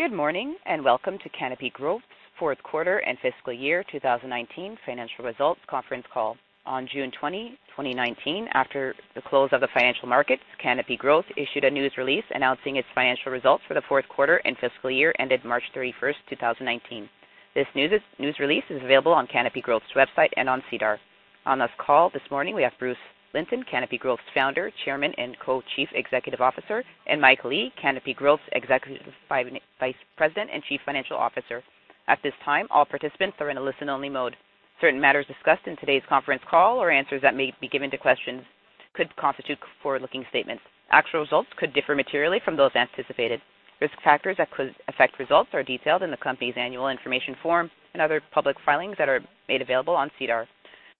Good morning, and welcome to Canopy Growth's fourth quarter and fiscal year 2019 financial results conference call. On June 20, 2019, after the close of the financial markets, Canopy Growth issued a news release announcing its financial results for the fourth quarter and fiscal year ended March 31st, 2019. This news release is available on Canopy Growth's website and on SEDAR. On this call this morning, we have Bruce Linton, Canopy Growth's founder, chairman, and Co-Chief Executive Officer, and Mike Lee, Canopy Growth's Executive Vice President and Chief Financial Officer. At this time, all participants are in a listen-only mode. Certain matters discussed in today's conference call or answers that may be given to questions could constitute forward-looking statements. Actual results could differ materially from those anticipated. Risk factors that could affect results are detailed in the company's annual information form and other public filings that are made available on SEDAR.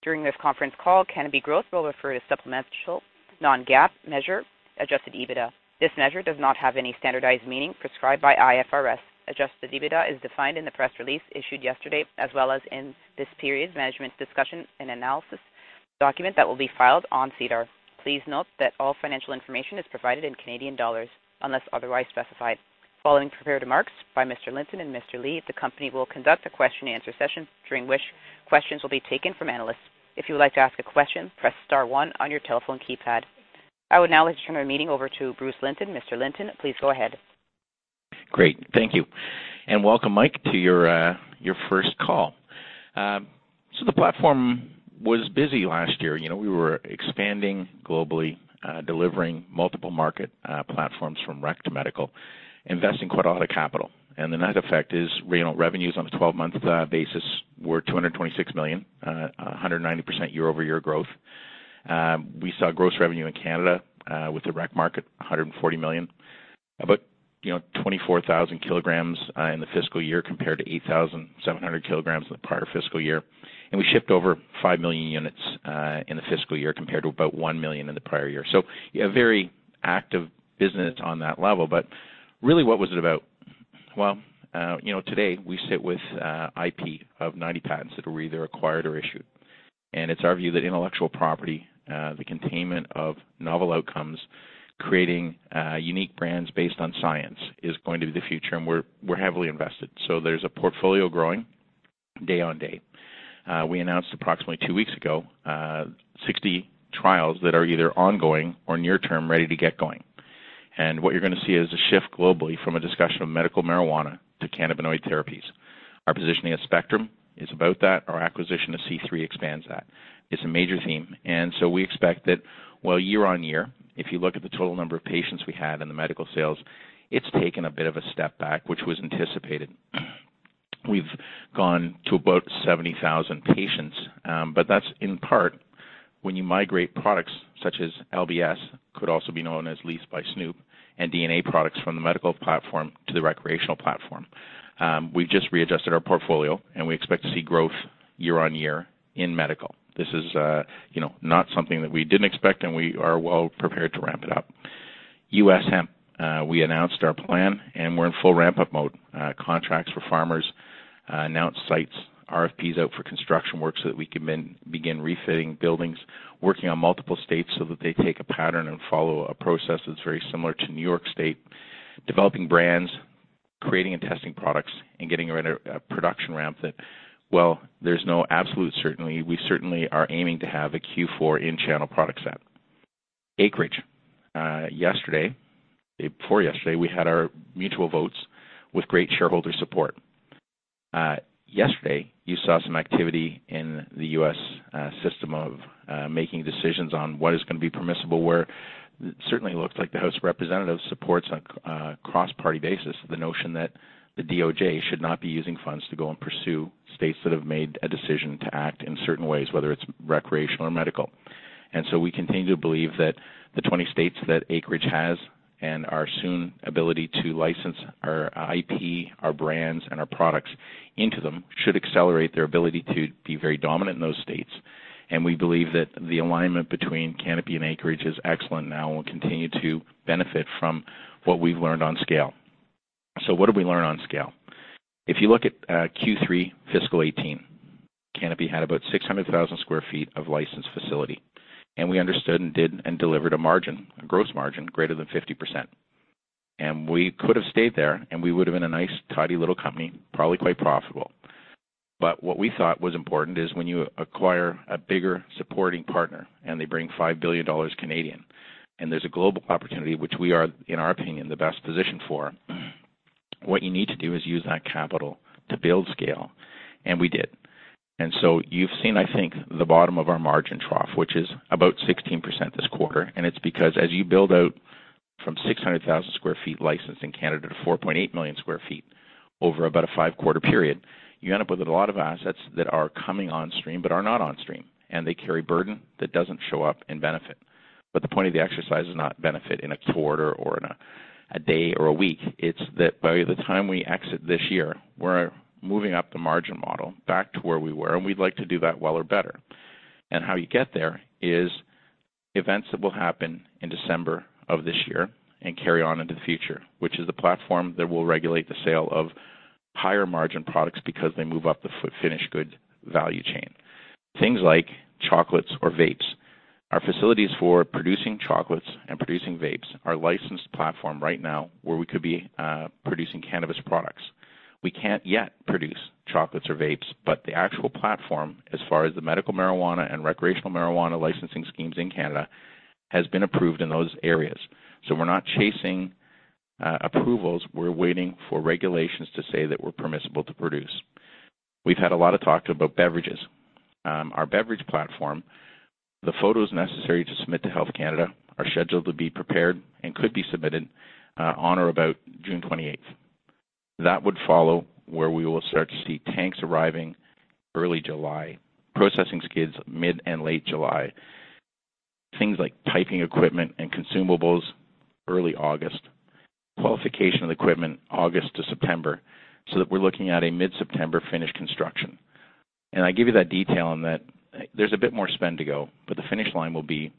During this conference call, Canopy Growth will refer to supplemental non-GAAP measure adjusted EBITDA. This measure does not have any standardized meaning prescribed by IFRS. Adjusted EBITDA is defined in the press release issued yesterday as well as in this period's management discussion and analysis document that will be filed on SEDAR. Please note that all financial information is provided in Canadian dollars unless otherwise specified. Following prepared remarks by Mr. Linton and Mr. Lee, the company will conduct a question and answer session, during which questions will be taken from analysts. If you would like to ask a question, press star one on your telephone keypad. I would now like to turn our meeting over to Bruce Linton. Mr. Linton, please go ahead. Great. Thank you. Welcome, Mike, to your first call. The platform was busy last year. We were expanding globally, delivering multiple market platforms from rec to medical, investing quite a lot of capital. The net effect is revenues on a 12-month basis were 226 million, 190% year-over-year growth. We saw gross revenue in Canada, with the rec market, 140 million. About 24,000 kilograms in the fiscal year compared to 8,700 kilograms in the prior fiscal year. We shipped over five million units in the fiscal year compared to about one million in the prior year. A very active business on that level. Really, what was it about? Well, today we sit with IP of 90 patents that were either acquired or issued. It's our view that intellectual property, the containment of novel outcomes, creating unique brands based on science is going to be the future, and we're heavily invested. There's a portfolio growing day on day. We announced approximately two weeks ago, 60 trials that are either ongoing or near term, ready to get going. What you're going to see is a shift globally from a discussion of medical marijuana to cannabinoid therapies. Our positioning at Spectrum is about that. Our acquisition of C3 expands that. It's a major theme. We expect that, well, year-on-year, if you look at the total number of patients we had in the medical sales, it's taken a bit of a step back, which was anticipated. We've gone to about 70,000 patients. That's in part when you migrate products such as LBS, could also be known as Leafs by Snoop, and DNA products from the medical platform to the recreational platform. We've just readjusted our portfolio, and we expect to see growth year-over-year in medical. This is not something that we didn't expect, and we are well prepared to ramp it up. U.S. hemp. We announced our plan and we're in full ramp-up mode. Contracts for farmers, announced sites, RFPs out for construction work so that we can then begin refitting buildings, working on multiple states so that they take a pattern and follow a process that's very similar to New York State, developing brands, creating and testing products, and getting a production ramp that, well, there's no absolute certainly. We certainly are aiming to have a Q4 in-channel product set. Acreage. Yesterday, day before yesterday, we had our mutual votes with great shareholder support. Yesterday, you saw some activity in the U.S. system of making decisions on what is going to be permissible, where it certainly looks like the House of Representatives supports a cross-party basis, the notion that the DOJ should not be using funds to go and pursue states that have made a decision to act in certain ways, whether it's recreational or medical. We continue to believe that the 20 states that Acreage has and our soon ability to license our IP, our brands, and our products into them should accelerate their ability to be very dominant in those states. We believe that the alignment between Canopy and Acreage is excellent now and will continue to benefit from what we've learned on scale. What did we learn on scale? If you look at Q3 fiscal 2018, Canopy had about 600,000 sq ft of licensed facility, we understood and did and delivered a margin, a gross margin, greater than 50%. We could have stayed there, and we would've been a nice, tidy little company, probably quite profitable. What we thought was important is when you acquire a bigger supporting partner and they bring 5 billion Canadian dollars, and there's a global opportunity, which we are, in our opinion, the best positioned for, what you need to do is use that capital to build scale. We did. You've seen, I think, the bottom of our margin trough, which is about 16% this quarter, and it's because as you build out from 600,000 sq ft licensed in Canada to 4.8 million sq ft over about a five-quarter period, you end up with a lot of assets that are coming on stream but are not on stream, and they carry burden that doesn't show up in benefit. The point of the exercise is not benefit in a quarter or in a day or a week. It's that by the time we exit this year, we're moving up the margin model back to where we were, and we'd like to do that well or better. How you get there is events that will happen in December of this year and carry on into the future, which is the platform that will regulate the sale of higher-margin products because they move up the finished goods value chain. Things like chocolates or vapes. Our facilities for producing chocolates and producing vapes are a licensed platform right now where we could be producing cannabis products. We can't yet produce chocolates or vapes, but the actual platform, as far as the medical marijuana and recreational marijuana licensing schemes in Canada, has been approved in those areas. We're not chasing approvals. We're waiting for regulations to say that we're permissible to produce. We've had a lot of talk about beverages. Our beverage platform, the photos necessary to submit to Health Canada are scheduled to be prepared and could be submitted on or about June 28th. That would follow where we will start to see tanks arriving early July, processing skids mid and late July. Things like piping equipment and consumables, early August. Qualification of the equipment, August to September, so that we're looking at a mid-September finish construction. I give you that detail on that. There's a bit more spend to go, but the finish line will be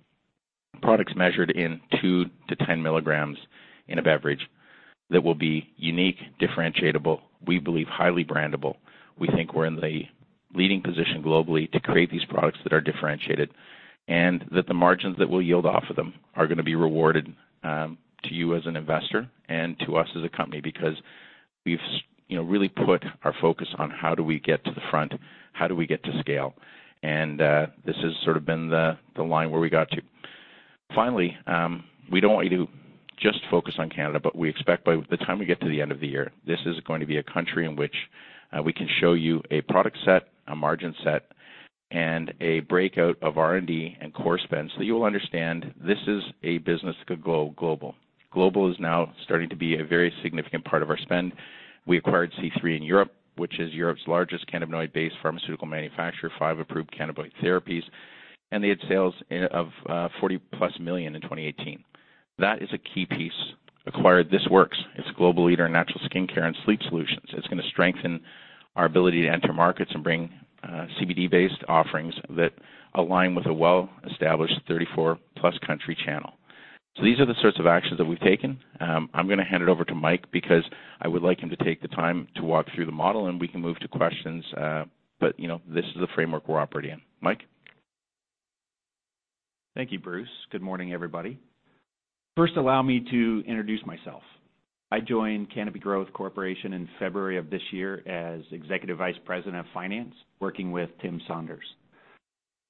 products measured in two to 10 milligrams in a beverage that will be unique, differentiable, we believe highly brandable. We think we're in the leading position globally to create these products that are differentiated, and that the margins that we'll yield off of them are going to be rewarded to you as an investor and to us as a company, because we've really put our focus on how do we get to the front, how do we get to scale? This has sort of been the line where we got to. Finally, we don't want you to just focus on Canada, but we expect by the time we get to the end of the year, this is going to be a country in which we can show you a product set, a margin set, and a breakout of R&D and core spend so that you will understand this is a business that could go global. Global is now starting to be a very significant part of our spend. We acquired C3 in Europe, which is Europe's largest cannabinoid-based pharmaceutical manufacturer, five approved cannabinoid therapies, and they had sales of 40-plus million in 2018. That is a key piece acquired. This Works. It's a global leader in natural skincare and sleep solutions. It's going to strengthen our ability to enter markets and bring CBD-based offerings that align with a well-established 34-plus country channel. These are the sorts of actions that we've taken. I'm going to hand it over to Mike because I would like him to take the time to walk through the model and we can move to questions. This is the framework we're operating in. Mike? Thank you, Bruce. Good morning, everybody. First, allow me to introduce myself. I joined Canopy Growth Corporation in February of this year as Executive Vice President of Finance, working with Tim Saunders.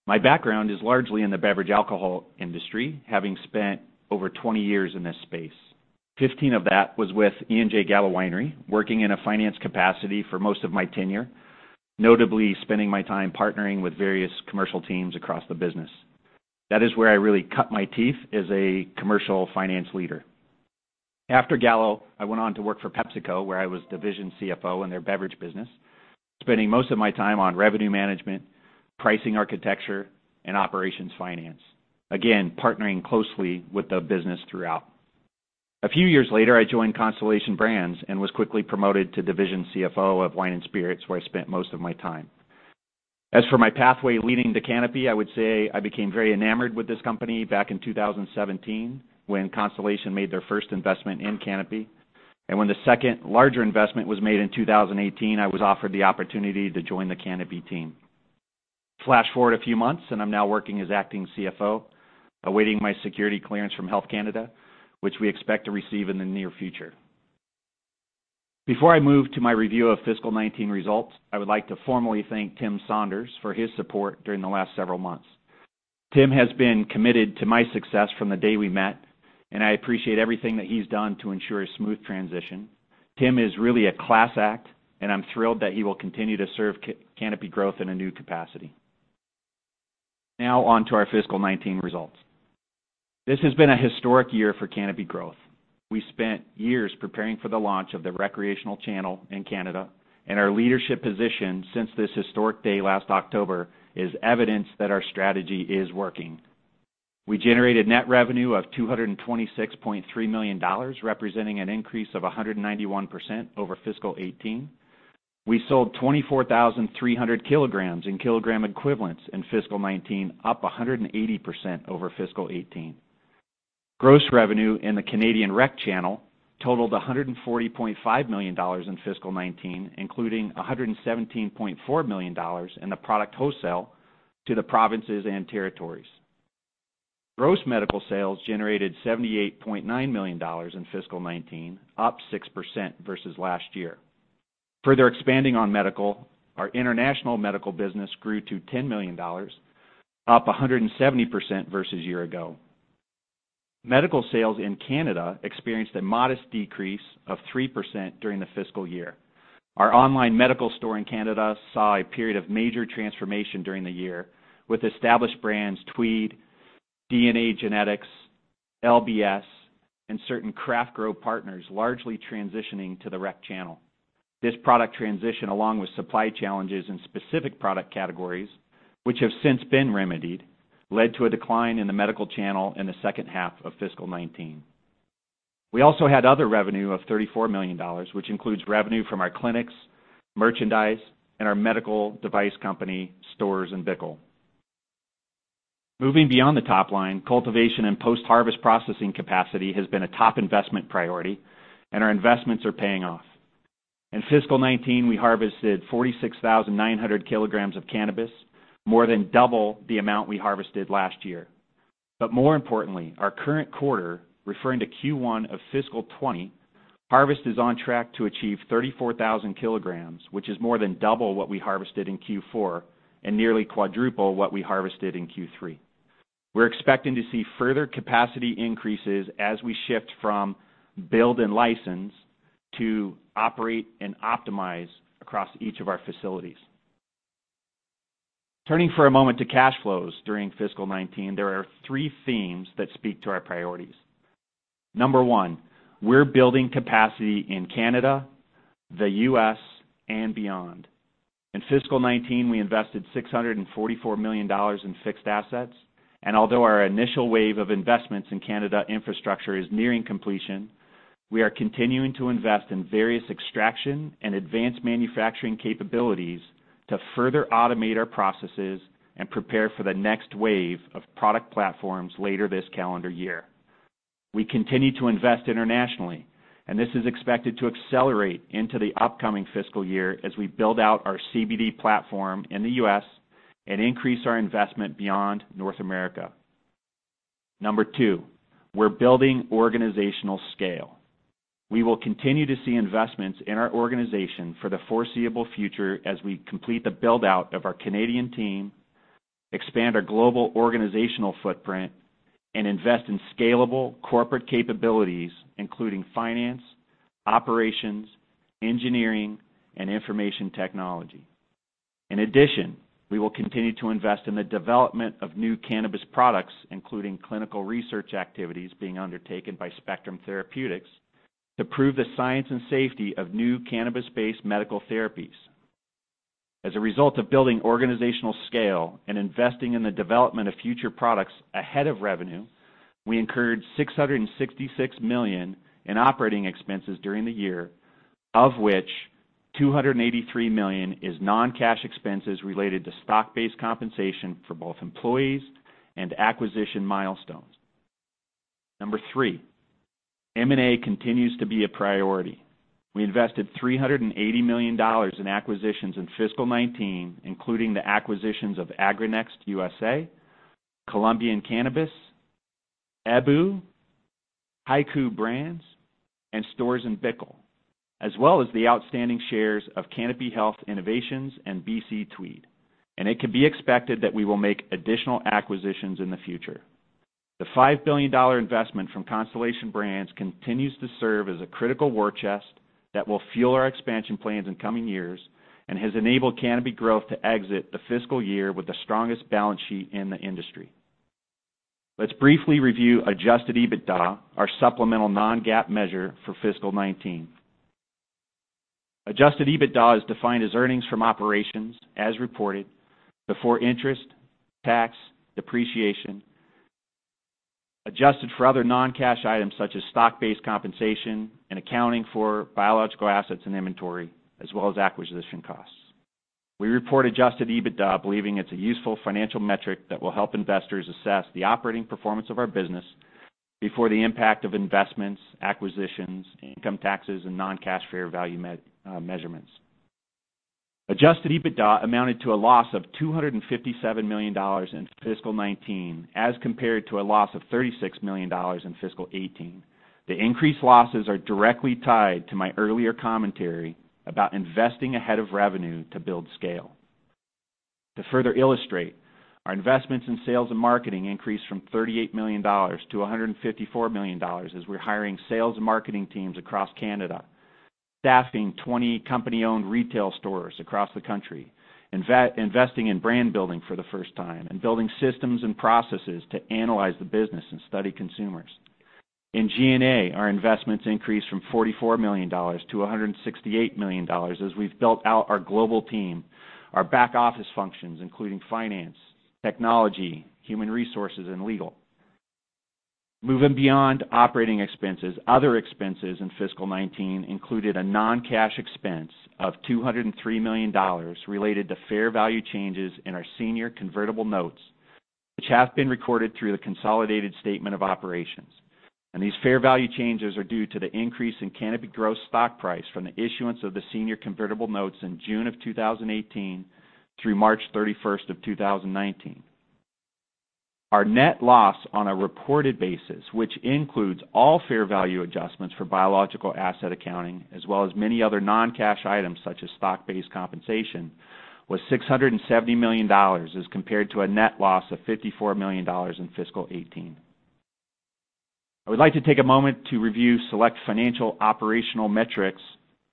My background is largely in the beverage alcohol industry, having spent over 20 years in this space. 15 of that was with E. & J. Gallo Winery, working in a finance capacity for most of my tenure, notably spending my time partnering with various commercial teams across the business. That is where I really cut my teeth as a commercial finance leader. After Gallo, I went on to work for PepsiCo, where I was division CFO in their beverage business, spending most of my time on revenue management, pricing architecture, and operations finance. Again, partnering closely with the business throughout. A few years later, I joined Constellation Brands and was quickly promoted to division CFO of Wine and Spirits, where I spent most of my time. As for my pathway leading to Canopy, I would say I became very enamored with this company back in 2017 when Constellation made their first investment in Canopy. When the second larger investment was made in 2018, I was offered the opportunity to join the Canopy team. Flash forward a few months, and I'm now working as acting CFO, awaiting my security clearance from Health Canada, which we expect to receive in the near future. Before I move to my review of fiscal 2019 results, I would like to formally thank Tim Saunders for his support during the last several months. Tim has been committed to my success from the day we met, and I appreciate everything that he's done to ensure a smooth transition. Tim is really a class act, and I'm thrilled that he will continue to serve Canopy Growth in a new capacity. Now on to our fiscal 2019 results. This has been a historic year for Canopy Growth. We spent years preparing for the launch of the recreational channel in Canada, and our leadership position since this historic day last October is evidence that our strategy is working. We generated net revenue of 226.3 million dollars, representing an increase of 191% over fiscal 2018. We sold 24,300 kilograms in kilogram equivalents in fiscal 2019, up 180% over fiscal 2018. Gross revenue in the Canadian rec channel totaled 140.5 million dollars in fiscal 2019, including 117.4 million dollars in the product wholesale to the provinces and territories. Gross medical sales generated 78.9 million dollars in fiscal 2019, up 6% versus last year. Further expanding on medical, our international medical business grew to 10 million dollars, up 170% versus a year ago. Medical sales in Canada experienced a modest decrease of 3% during the fiscal year. Our online medical store in Canada saw a period of major transformation during the year with established brands Tweed, DNA Genetics, LBS, and certain craft grow partners largely transitioning to the rec channel. This product transition, along with supply challenges in specific product categories, which have since been remedied, led to a decline in the medical channel in the second half of fiscal 2019. We also had other revenue of 34 million dollars, which includes revenue from our clinics, merchandise, and our medical device company, Storz & Bickel. Moving beyond the top line, cultivation and post-harvest processing capacity has been a top investment priority, and our investments are paying off. In FY 2019, we harvested 46,900 kilograms of cannabis, more than double the amount we harvested last year. More importantly, our current quarter, referring to Q1 of FY 2020, harvest is on track to achieve 34,000 kilograms, which is more than double what we harvested in Q4 and nearly quadruple what we harvested in Q3. We're expecting to see further capacity increases as we shift from build and license to operate and optimize across each of our facilities. Turning for a moment to cash flows during FY 2019, there are three themes that speak to our priorities. Number one. We're building capacity in Canada, the U.S., and beyond. In FY 2019, we invested 644 million dollars in fixed assets. Although our initial wave of investments in Canada infrastructure is nearing completion, we are continuing to invest in various extraction and advanced manufacturing capabilities to further automate our processes and prepare for the next wave of product platforms later this calendar year. We continue to invest internationally. This is expected to accelerate into the upcoming fiscal year as we build out our CBD platform in the U.S. and increase our investment beyond North America. Number two. We're building organizational scale. We will continue to see investments in our organization for the foreseeable future as we complete the build-out of our Canadian team, expand our global organizational footprint, and invest in scalable corporate capabilities including finance, operations, engineering, and information technology. In addition, we will continue to invest in the development of new cannabis products, including clinical research activities being undertaken by Spectrum Therapeutics, to prove the science and safety of new cannabis-based medical therapies. As a result of building organizational scale and investing in the development of future products ahead of revenue, we incurred 666 million in operating expenses during the year, of which 283 million is non-cash expenses related to stock-based compensation for both employees and acquisition milestones. Number three. M&A continues to be a priority. We invested 380 million dollars in acquisitions in FY 2019, including the acquisitions of AgriNextUSA, Colombian Cannabis S.A.S., ebbu, Hiku Brands, and Storz & Bickel, as well as the outstanding shares of Canopy Health Innovations and BC Tweed. It can be expected that we will make additional acquisitions in the future. The 5 billion dollar investment from Constellation Brands continues to serve as a critical war chest that will fuel our expansion plans in coming years and has enabled Canopy Growth to exit the fiscal year with the strongest balance sheet in the industry. Let's briefly review adjusted EBITDA, our supplemental non-GAAP measure for FY 2019. Adjusted EBITDA is defined as earnings from operations as reported before interest, tax, depreciation, adjusted for other non-cash items such as stock-based compensation and accounting for biological assets and inventory, as well as acquisition costs. We report adjusted EBITDA, believing it's a useful financial metric that will help investors assess the operating performance of our business before the impact of investments, acquisitions, income taxes, and non-cash fair value measurements. Adjusted EBITDA amounted to a loss of 257 million dollars in FY 2019, as compared to a loss of 36 million dollars in FY 2018. The increased losses are directly tied to my earlier commentary about investing ahead of revenue to build scale. To further illustrate, our investments in sales and marketing increased from 38 million dollars to 154 million dollars as we're hiring sales and marketing teams across Canada, staffing 20 company-owned retail stores across the country, investing in brand building for the first time, and building systems and processes to analyze the business and study consumers. In G&A, our investments increased from 44 million dollars to 168 million dollars as we've built out our global team, our back-office functions, including finance, technology, human resources, and legal. Moving beyond operating expenses, other expenses in fiscal 2019 included a non-cash expense of 203 million dollars related to fair value changes in our senior convertible notes, which have been recorded through the consolidated statement of operations. These fair value changes are due to the increase in Canopy Growth stock price from the issuance of the senior convertible notes in June of 2018 through March 31st of 2019. Our net loss on a reported basis, which includes all fair value adjustments for biological asset accounting, as well as many other non-cash items such as stock-based compensation, was 670 million dollars as compared to a net loss of 54 million dollars in fiscal 2018. I would like to take a moment to review select financial operational metrics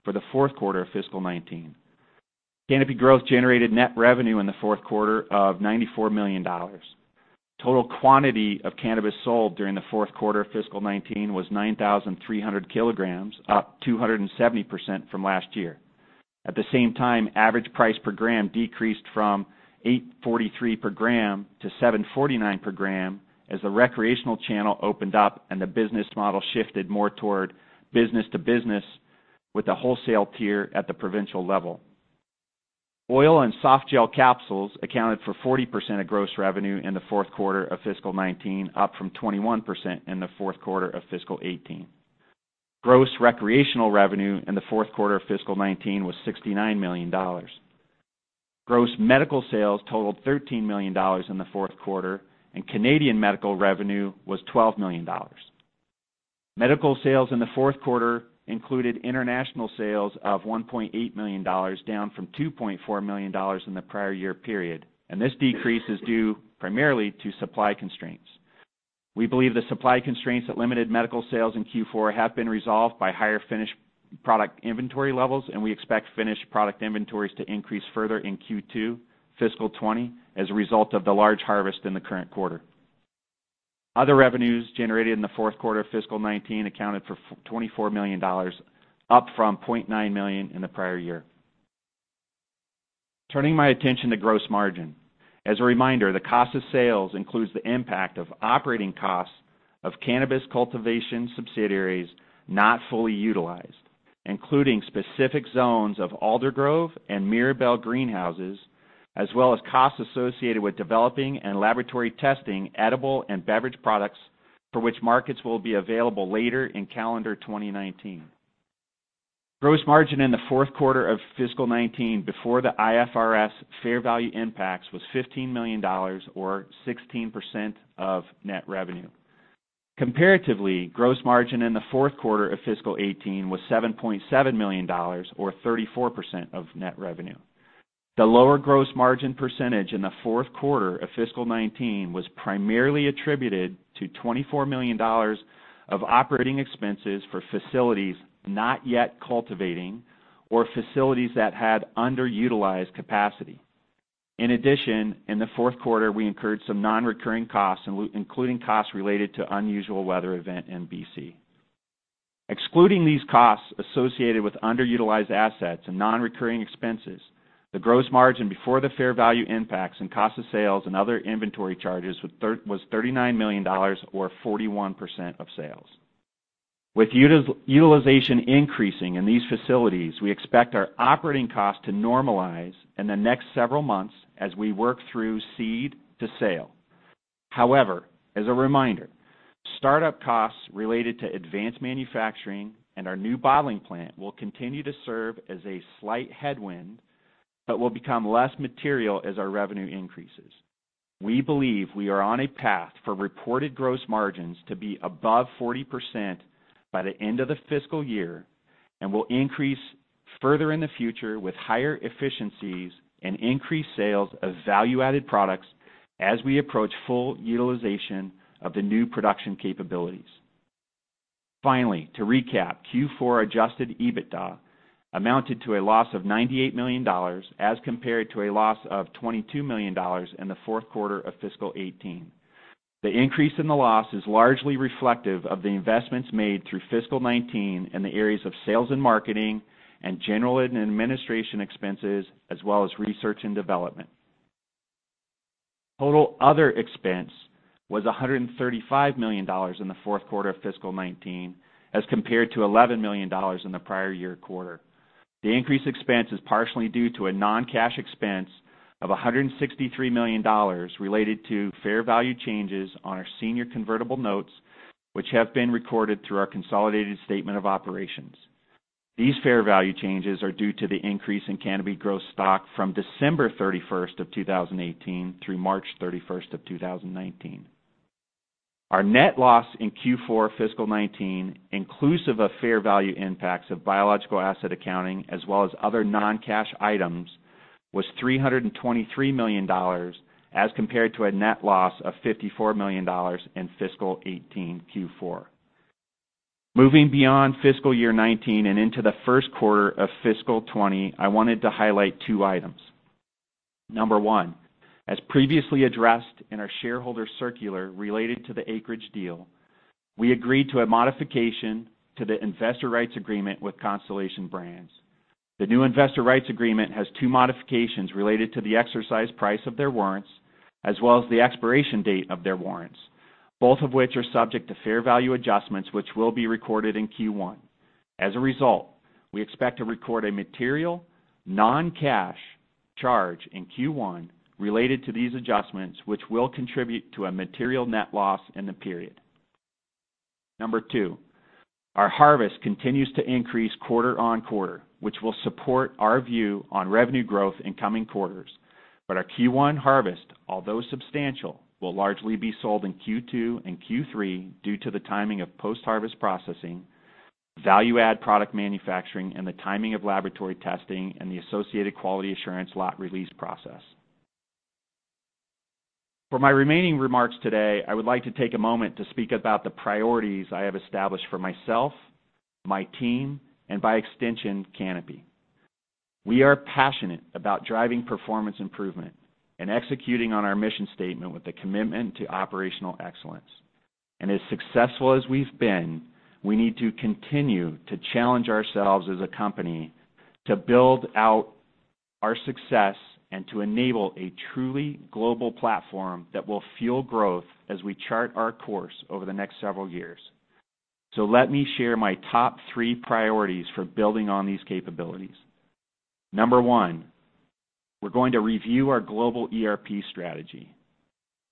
for the fourth quarter of fiscal 2019. Canopy Growth generated net revenue in the fourth quarter of 94 million dollars. Total quantity of cannabis sold during the fourth quarter of fiscal 2019 was 9,300 kilograms, up 270% from last year. At the same time, average price per gram decreased from 8.43 per gram to 7.49 per gram as the recreational channel opened up and the business model shifted more toward business to business with the wholesale tier at the provincial level. Oil and softgel capsules accounted for 40% of gross revenue in the fourth quarter of fiscal 2019, up from 21% in the fourth quarter of fiscal 2018. Gross recreational revenue in the fourth quarter of fiscal 2019 was 69 million dollars. Gross medical sales totaled 13 million dollars in the fourth quarter, and Canadian medical revenue was 12 million dollars. Medical sales in the fourth quarter included international sales of 1.8 million dollars, down from 2.4 million dollars in the prior year period. This decrease is due primarily to supply constraints. We believe the supply constraints that limited medical sales in Q4 have been resolved by higher finished product inventory levels. We expect finished product inventories to increase further in Q2 fiscal 2020 as a result of the large harvest in the current quarter. Other revenues generated in the fourth quarter of fiscal 2019 accounted for CAD 24 million, up from CAD 0.9 million in the prior year. Turning my attention to gross margin. As a reminder, the cost of sales includes the impact of operating costs of cannabis cultivation subsidiaries not fully utilized, including specific zones of Aldergrove and Mirabel greenhouses, as well as costs associated with developing and laboratory testing edible and beverage products for which markets will be available later in calendar 2019. Gross margin in the fourth quarter of fiscal 2019, before the IFRS fair value impacts, was 15 million dollars, or 16% of net revenue. Comparatively, gross margin in the fourth quarter of fiscal 2018 was 7.7 million dollars, or 34% of net revenue. The lower gross margin percentage in the fourth quarter of fiscal 2019 was primarily attributed to 24 million dollars of operating expenses for facilities not yet cultivating, or facilities that had underutilized capacity. In addition, in the fourth quarter, we incurred some non-recurring costs, including costs related to unusual weather event in B.C. Excluding these costs associated with underutilized assets and non-recurring expenses, the gross margin before the fair value impacts and cost of sales and other inventory charges was 39 million dollars, or 41% of sales. With utilization increasing in these facilities, we expect our operating costs to normalize in the next several months as we work through seed to sale. As a reminder, start-up costs related to advanced manufacturing and our new bottling plant will continue to serve as a slight headwind, but will become less material as our revenue increases. We believe we are on a path for reported gross margins to be above 40% by the end of the fiscal year, and will increase further in the future with higher efficiencies and increased sales of value-added products as we approach full utilization of the new production capabilities. Finally, to recap, Q4 adjusted EBITDA amounted to a loss of 98 million dollars as compared to a loss of 22 million dollars in the fourth quarter of fiscal 2018. The increase in the loss is largely reflective of the investments made through fiscal 2019 in the areas of sales and marketing and general and administration expenses, as well as research and development. Total other expense was 135 million dollars in the fourth quarter of fiscal 2019, as compared to 11 million dollars in the prior year quarter. The increased expense is partially due to a non-cash expense of 163 million dollars related to fair value changes on our senior convertible notes, which have been recorded through our consolidated statement of operations. These fair value changes are due to the increase in Canopy Growth stock from December 31st of 2018 through March 31st of 2019. Our net loss in Q4 fiscal 2019, inclusive of fair value impacts of biological asset accounting as well as other non-cash items, was 323 million dollars as compared to a net loss of 54 million dollars in fiscal 2018 Q4. Moving beyond fiscal year 2019 and into the first quarter of fiscal 2020, I wanted to highlight two items. Number one, as previously addressed in our shareholder circular related to the Acreage deal, we agreed to a modification to the investor rights agreement with Constellation Brands. The new investor rights agreement has two modifications related to the exercise price of their warrants, as well as the expiration date of their warrants, both of which are subject to fair value adjustments which will be recorded in Q1. As a result, we expect to record a material non-cash charge in Q1 related to these adjustments, which will contribute to a material net loss in the period. Number two, our harvest continues to increase quarter-on-quarter, which will support our view on revenue growth in coming quarters. Our Q1 harvest, although substantial, will largely be sold in Q2 and Q3 due to the timing of post-harvest processing, value-add product manufacturing, and the timing of laboratory testing and the associated quality assurance lot release process. For my remaining remarks today, I would like to take a moment to speak about the priorities I have established for myself, my team, and by extension, Canopy. We are passionate about driving performance improvement and executing on our mission statement with a commitment to operational excellence. As successful as we've been, we need to continue to challenge ourselves as a company to build out our success and to enable a truly global platform that will fuel growth as we chart our course over the next several years. Let me share my top three priorities for building on these capabilities. Number one, we're going to review our global ERP strategy.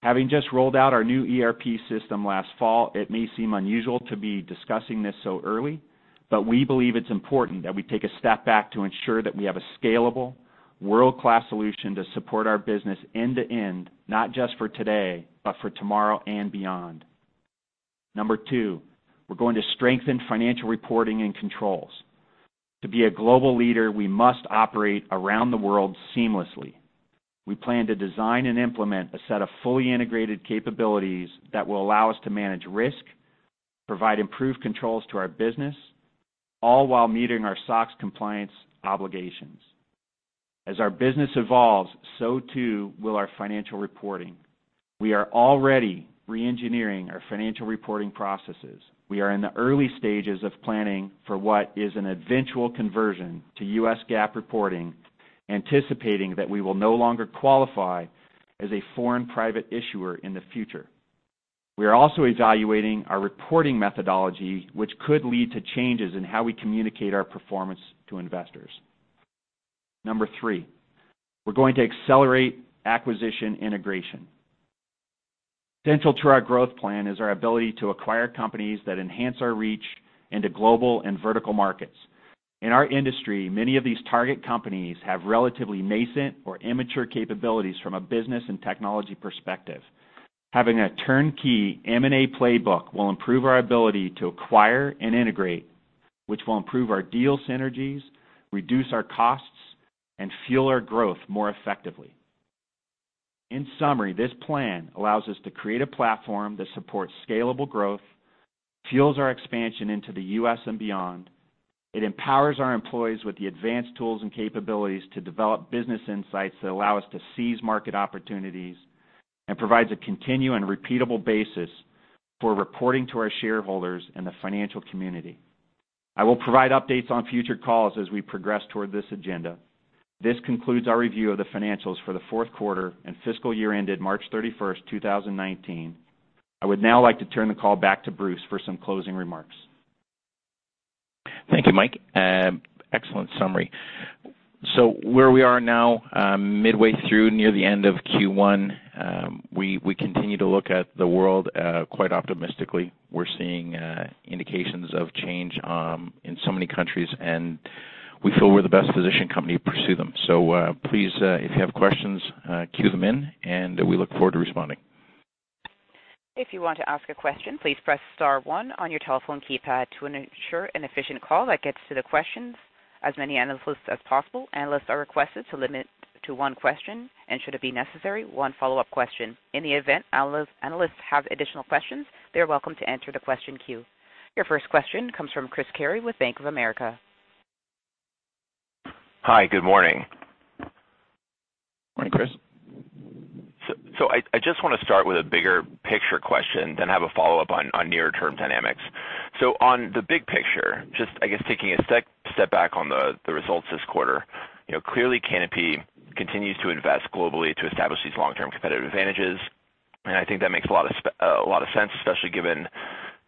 Having just rolled out our new ERP system last fall, it may seem unusual to be discussing this so early, but we believe it's important that we take a step back to ensure that we have a scalable, world-class solution to support our business end-to-end, not just for today, but for tomorrow and beyond. Number two, we're going to strengthen financial reporting and controls. To be a global leader, we must operate around the world seamlessly. We plan to design and implement a set of fully integrated capabilities that will allow us to manage risk, provide improved controls to our business, all while meeting our SOX compliance obligations. As our business evolves, so too will our financial reporting. We are already re-engineering our financial reporting processes. We are in the early stages of planning for what is an eventual conversion to U.S. GAAP reporting, anticipating that we will no longer qualify as a foreign private issuer in the future. We are also evaluating our reporting methodology, which could lead to changes in how we communicate our performance to investors. Number three, we're going to accelerate acquisition integration. Central to our growth plan is our ability to acquire companies that enhance our reach into global and vertical markets. In our industry, many of these target companies have relatively nascent or immature capabilities from a business and technology perspective. Having a turnkey M&A playbook will improve our ability to acquire and integrate, which will improve our deal synergies, reduce our costs, and fuel our growth more effectively. In summary, this plan allows us to create a platform that supports scalable growth, fuels our expansion into the U.S. and beyond. It empowers our employees with the advanced tools and capabilities to develop business insights that allow us to seize market opportunities and provides a continued and repeatable basis for reporting to our shareholders and the financial community. I will provide updates on future calls as we progress toward this agenda. This concludes our review of the financials for the fourth quarter and fiscal year ended March 31st, 2019. I would now like to turn the call back to Bruce for some closing remarks. Thank you, Mike. Excellent summary. Where we are now, midway through, near the end of Q1, we continue to look at the world quite optimistically. We're seeing indications of change in so many countries, and we feel we're the best positioned company to pursue them. Please, if you have questions, queue them in and we look forward to responding. If you want to ask a question, please press star one on your telephone keypad to ensure an efficient call that gets to the questions as many analysts as possible. Analysts are requested to limit to one question and should it be necessary, one follow-up question. In the event analysts have additional questions, they're welcome to enter the question queue. Your first question comes from Chris Carey with Bank of America. Hi, good morning. Morning, Chris. I just want to start with a bigger picture question, then have a follow-up on nearer term dynamics. On the big picture, just, I guess taking a step back on the results this quarter, clearly Canopy continues to invest globally to establish these long-term competitive advantages, and I think that makes a lot of sense, especially given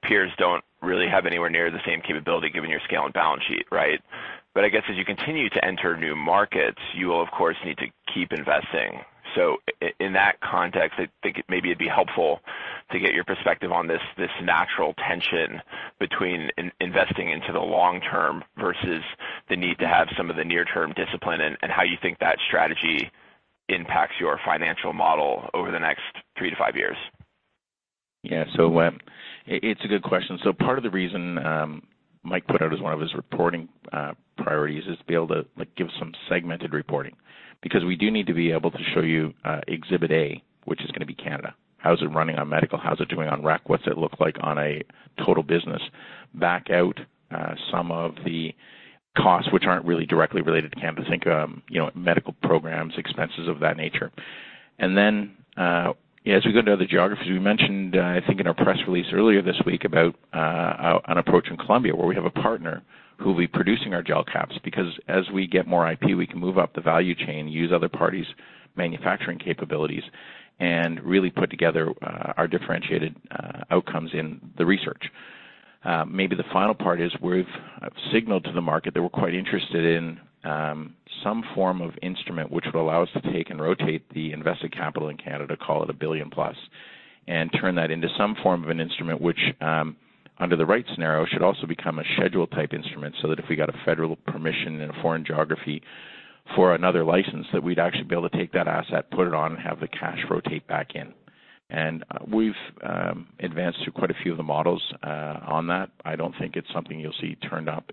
peers don't really have anywhere near the same capability, given your scale and balance sheet, right? I guess as you continue to enter new markets, you will of course need to keep investing. In that context, I think maybe it'd be helpful to get your perspective on this natural tension between investing into the long term versus the need to have some of the near term discipline, and how you think that strategy impacts your financial model over the next three to five years. Yeah. It's a good question. Part of the reason Mike put out as one of his reporting priorities is to be able to give some segmented reporting, because we do need to be able to show you exhibit A, which is going to be Canada. How's it running on medical? How's it doing on rec? What's it look like on a total business? Back out some of the costs which aren't really directly related to cannabis, think medical programs, expenses of that nature. As we go to other geographies, we mentioned, I think in our press release earlier this week about an approach in Colombia where we have a partner who will be producing our gel caps, because as we get more IP, we can move up the value chain, use other parties' manufacturing capabilities, and really put together our differentiated outcomes in the research. Maybe the final part is we've signaled to the market that we're quite interested in some form of instrument which would allow us to take and rotate the invested capital in Canada, call it 1 billion plus, and turn that into some form of an instrument which under the right scenario, should also become a schedule type instrument, so that if we got a federal permission in a foreign geography for another license, that we'd actually be able to take that asset, put it on, and have the cash rotate back in. We've advanced through quite a few of the models on that. I don't think it's something you'll see turned up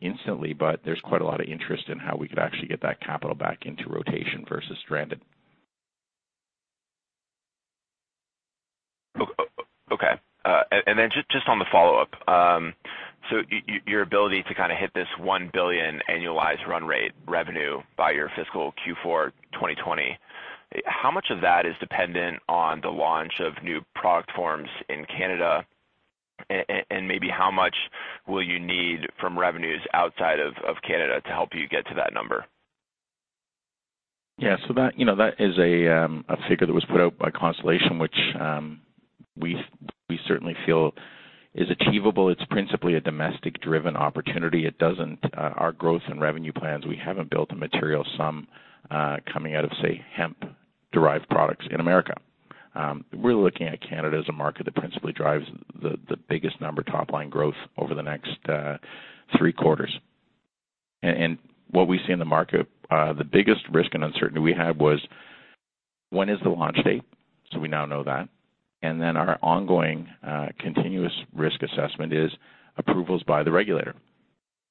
instantly, but there's quite a lot of interest in how we could actually get that capital back into rotation versus stranded. Okay. Just on the follow-up. Your ability to hit this 1 billion annualized run rate revenue by your fiscal Q4 2020, how much of that is dependent on the launch of new product forms in Canada? Maybe how much will you need from revenues outside of Canada to help you get to that number? Yeah. That is a figure that was put out by Constellation Brands, which we certainly feel is achievable. It's principally a domestic-driven opportunity. Our growth and revenue plans, we haven't built a material sum coming out of, say, hemp-derived products in America. We're looking at Canada as a market that principally drives the biggest number, top-line growth over the next three quarters. What we see in the market, the biggest risk and uncertainty we had was: when is the launch date? We now know that. Our ongoing, continuous risk assessment is approvals by the regulator.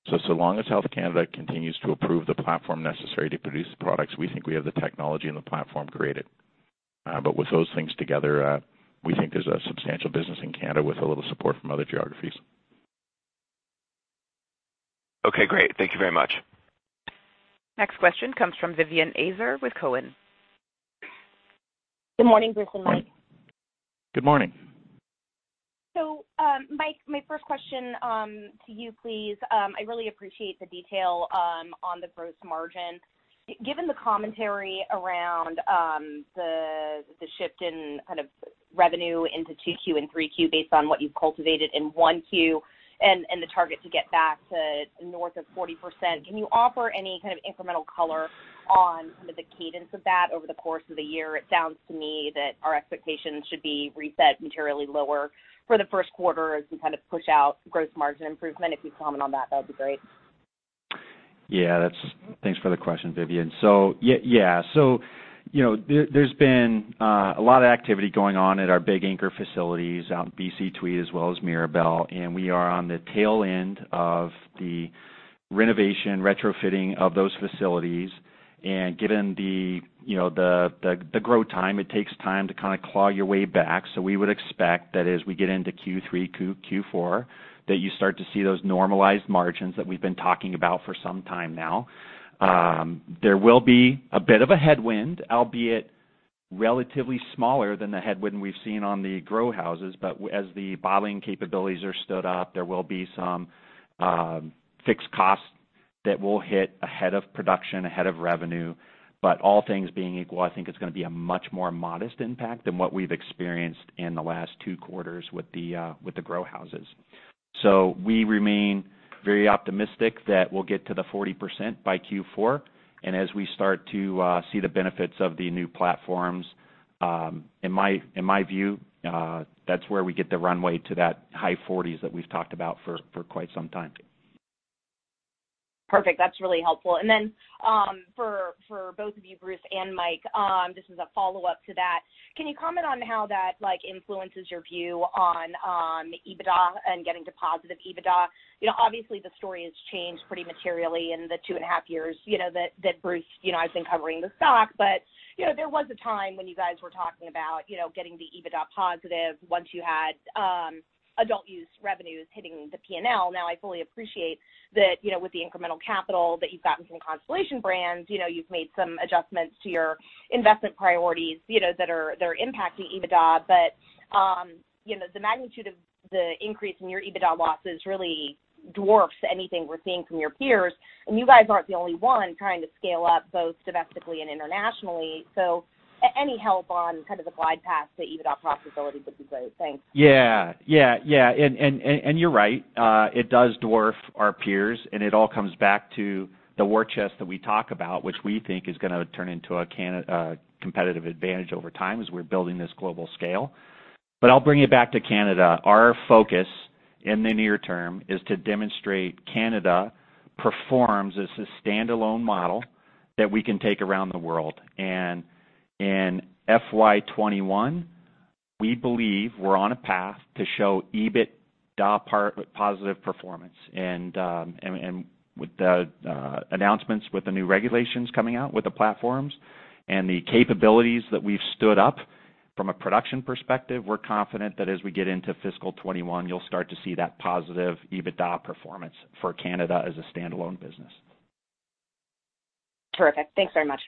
So long as Health Canada continues to approve the platform necessary to produce the products, we think we have the technology and the platform created. With those things together, we think there's a substantial business in Canada with a little support from other geographies. Okay, great. Thank you very much. Next question comes from Vivien Azer with Cowen. Good morning, Bruce and Mike. Good morning. Mike, my first question to you, please. I really appreciate the detail on the gross margin. Given the commentary around the shift in kind of revenue into 2Q and 3Q based on what you've cultivated in 1Q and the target to get back to north of 40%, can you offer any kind of incremental color on some of the cadence of that over the course of the year? It sounds to me that our expectations should be reset materially lower for the first quarter as we kind of push out gross margin improvement. If you could comment on that'd be great. Thanks for the question, Vivien. There's been a lot of activity going on at our big anchor facilities out in BC Tweed as well as Mirabel, we are on the tail end of the renovation, retrofitting of those facilities. Given the grow time, it takes time to kind of claw your way back. We would expect that as we get into Q3, Q4, that you start to see those normalized margins that we've been talking about for some time now. There will be a bit of a headwind, albeit relatively smaller than the headwind we've seen on the grow houses, as the bottling capabilities are stood up, there will be some fixed costs that will hit ahead of production, ahead of revenue. All things being equal, I think it's going to be a much more modest impact than what we've experienced in the last two quarters with the grow houses. We remain very optimistic that we'll get to the 40% by Q4. As we start to see the benefits of the new platforms, in my view, that's where we get the runway to that high 40s that we've talked about for quite some time. Perfect. That's really helpful. For both of you, Bruce and Mike, this is a follow-up to that. Can you comment on how that influences your view on EBITDA and getting to positive EBITDA? Obviously, the story has changed pretty materially in the two and a half years that, Bruce, I've been covering the stock. There was a time when you guys were talking about getting the EBITDA positive once you had adult use revenues hitting the P&L. Now, I fully appreciate that with the incremental capital that you've gotten from Constellation Brands, you've made some adjustments to your investment priorities that are impacting EBITDA. The magnitude of the increase in your EBITDA losses really dwarfs anything we're seeing from your peers, and you guys aren't the only one trying to scale up both domestically and internationally. Any help on kind of the glide path to EBITDA profitability would be great. Thanks. Yeah. You're right, it does dwarf our peers, and it all comes back to the war chest that we talk about, which we think is going to turn into a competitive advantage over time as we're building this global scale. I'll bring it back to Canada. Our focus in the near term is to demonstrate Canada performs as a standalone model that we can take around the world. In FY 2021, we believe we're on a path to show EBITDA positive performance. With the announcements, with the new regulations coming out, with the platforms and the capabilities that we've stood up from a production perspective, we're confident that as we get into fiscal 2021, you'll start to see that positive EBITDA performance for Canada as a standalone business. Terrific. Thanks very much.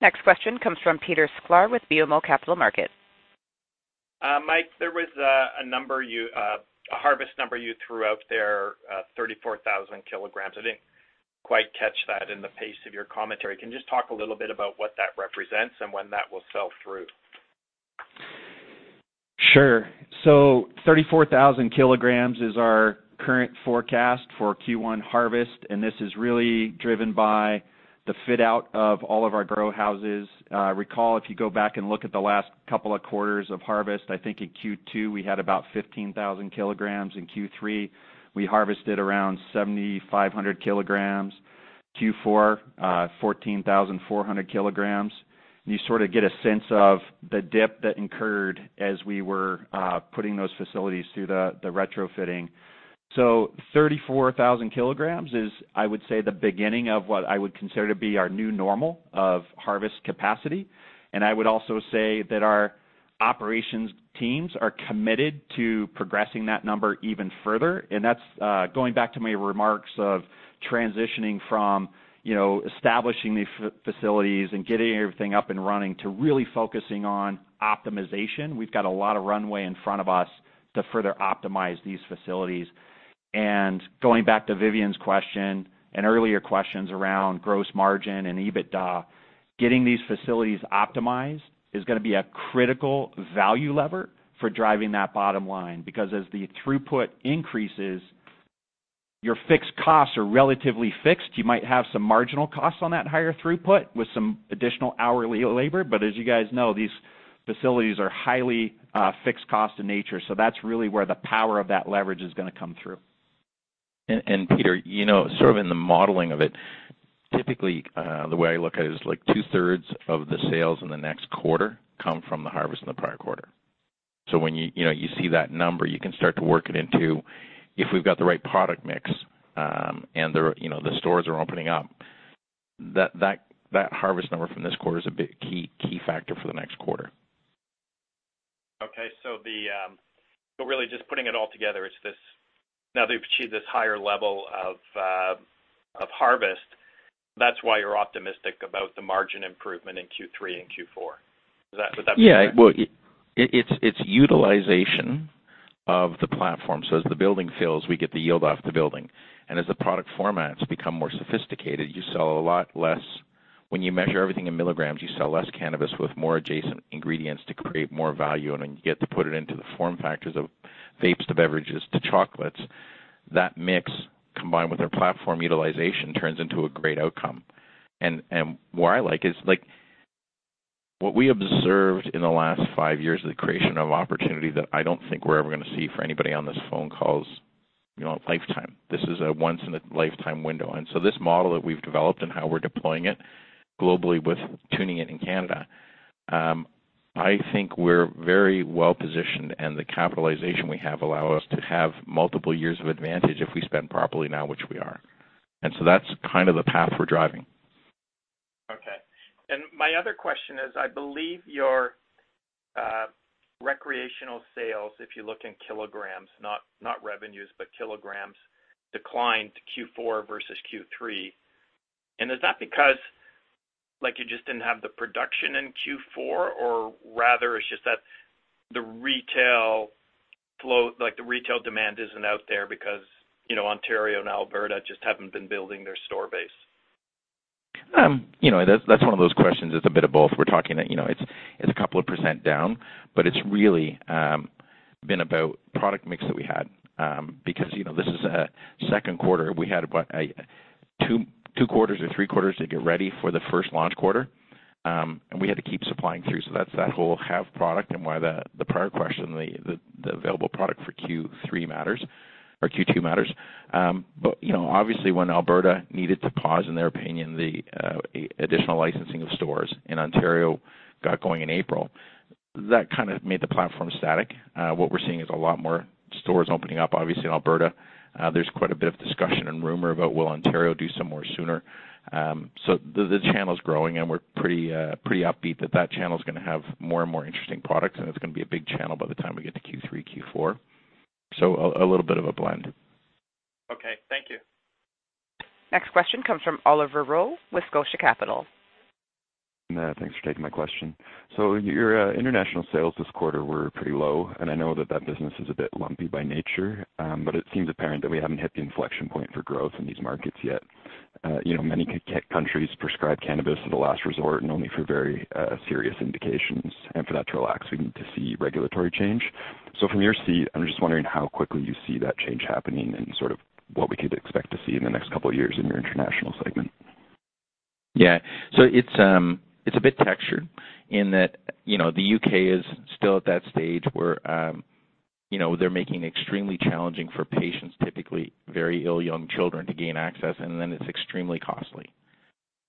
Next question comes from Peter Sklar with BMO Capital Markets. Mike, there was a harvest number you threw out there, 34,000 kilograms. I didn't quite catch that in the pace of your commentary. Can you just talk a little bit about what that represents and when that will sell through? Sure. 34,000 kilograms is our current forecast for Q1 harvest, this is really driven by the fit-out of all of our grow houses. Recall, if you go back and look at the last couple of quarters of harvest, I think in Q2, we had about 15,000 kilograms. In Q3, we harvested around 7,500 kilograms. Q4, 14,400 kilograms. You sort of get a sense of the dip that incurred as we were putting those facilities through the retrofitting. 34,000 kilograms is, I would say, the beginning of what I would consider to be our new normal of harvest capacity, I would also say that our operations teams are committed to progressing that number even further. That's going back to my remarks of transitioning from establishing these facilities and getting everything up and running to really focusing on optimization. We've got a lot of runway in front of us to further optimize these facilities. Going back to Vivien's question and earlier questions around gross margin and EBITDA, getting these facilities optimized is going to be a critical value lever for driving that bottom line, because as the throughput increases, your fixed costs are relatively fixed. You might have some marginal costs on that higher throughput with some additional hourly labor, but as you guys know, these facilities are highly fixed cost in nature. That's really where the power of that leverage is going to come through. Peter, sort of in the modeling of it, typically, the way I look at it is like two-thirds of the sales in the next quarter come from the harvest in the prior quarter. When you see that number, you can start to work it into if we've got the right product mix, and the stores are opening up, that harvest number from this quarter is a big key factor for the next quarter. Okay. Really just putting it all together, now they've achieved this higher level of harvest, that's why you're optimistic about the margin improvement in Q3 and Q4. Is that correct? Well, it's utilization of the platform. As the building fills, we get the yield off the building. As the product formats become more sophisticated, when you measure everything in milligrams, you sell less cannabis with more adjacent ingredients to create more value. Then you get to put it into the form factors of vapes to beverages to chocolates. That mix, combined with our platform utilization, turns into a great outcome. What I like is, what we observed in the last five years is the creation of opportunity that I don't think we're ever going to see for anybody on this phone call's lifetime. This is a once-in-a-lifetime window. This model that we've developed and how we're deploying it globally with tuning it in Canada, I think we're very well-positioned, and the capitalization we have allow us to have multiple years of advantage if we spend properly now, which we are. That's kind of the path we're driving. Okay. My other question is, I believe your recreational sales, if you look in kilograms, not revenues, but kilograms, declined Q4 versus Q3. Is that because you just didn't have the production in Q4, or rather, it's just that the retail demand isn't out there because Ontario and Alberta just haven't been building their store base? That's one of those questions that's a bit of both. We're talking, it's a couple of % down, it's really been about product mix that we had. This is a second quarter. We had two quarters or three quarters to get ready for the first launch quarter. We had to keep supplying through, that's that whole have product and why the prior question, the available product for Q3 matters or Q2 matters. Obviously when Alberta needed to pause, in their opinion, the additional licensing of stores and Ontario got going in April, that kind of made the platform static. What we're seeing is a lot more stores opening up, obviously, in Alberta. There's quite a bit of discussion and rumor about will Ontario do some more sooner. The channel's growing, we're pretty upbeat that that channel's going to have more and more interesting products, it's going to be a big channel by the time we get to Q3, Q4. A little bit of a blend. Okay. Thank you. Next question comes from Oliver Rowe with Scotia Capital. Thanks for taking my question. Your international sales this quarter were pretty low, and I know that that business is a bit lumpy by nature. It seems apparent that we haven't hit the inflection point for growth in these markets yet. Many countries prescribe cannabis as a last resort and only for very serious indications. For that to relax, we need to see regulatory change. From your seat, I'm just wondering how quickly you see that change happening and sort of what we could expect to see in the next couple of years in your international segment. Yeah. It's a bit textured in that the U.K. is still at that stage where they're making it extremely challenging for patients, typically very ill young children, to gain access, and then it's extremely costly.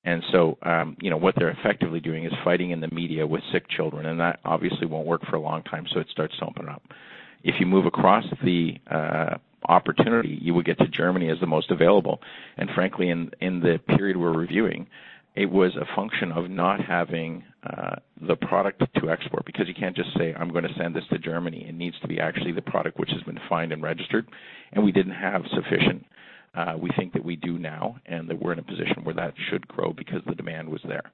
What they're effectively doing is fighting in the media with sick children, and that obviously won't work for a long time, it starts to open up. If you move across the opportunity, you would get to Germany as the most available. Frankly, in the period we're reviewing, it was a function of not having the product to export, because you can't just say, "I'm going to send this to Germany." It needs to be actually the product which has been filed and registered, and we didn't have sufficient. We think that we do now, and that we're in a position where that should grow because the demand was there.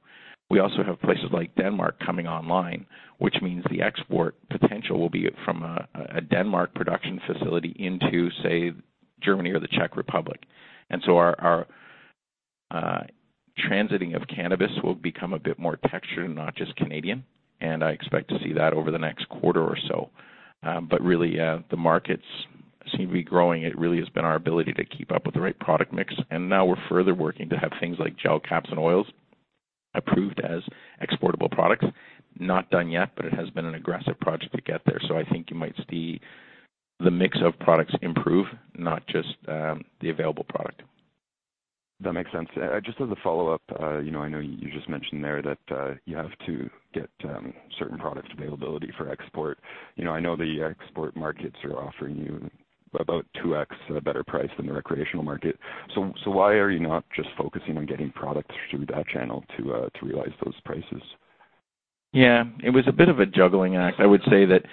We also have places like Denmark coming online, which means the export potential will be from a Denmark production facility into, say, Germany or the Czech Republic. Our transiting of cannabis will become a bit more textured and not just Canadian, and I expect to see that over the next quarter or so. Really, the markets seem to be growing. It really has been our ability to keep up with the right product mix, and now we're further working to have things like gel caps and oils approved as exportable products. Not done yet, but it has been an aggressive project to get there. I think you might see the mix of products improve, not just the available product. That makes sense. Just as a follow-up, I know you just mentioned there that you have to get certain products availability for export. I know the export markets are offering you about 2X a better price than the recreational market. Why are you not just focusing on getting product through that channel to realize those prices? Yeah. It was a bit of a juggling act. I would say that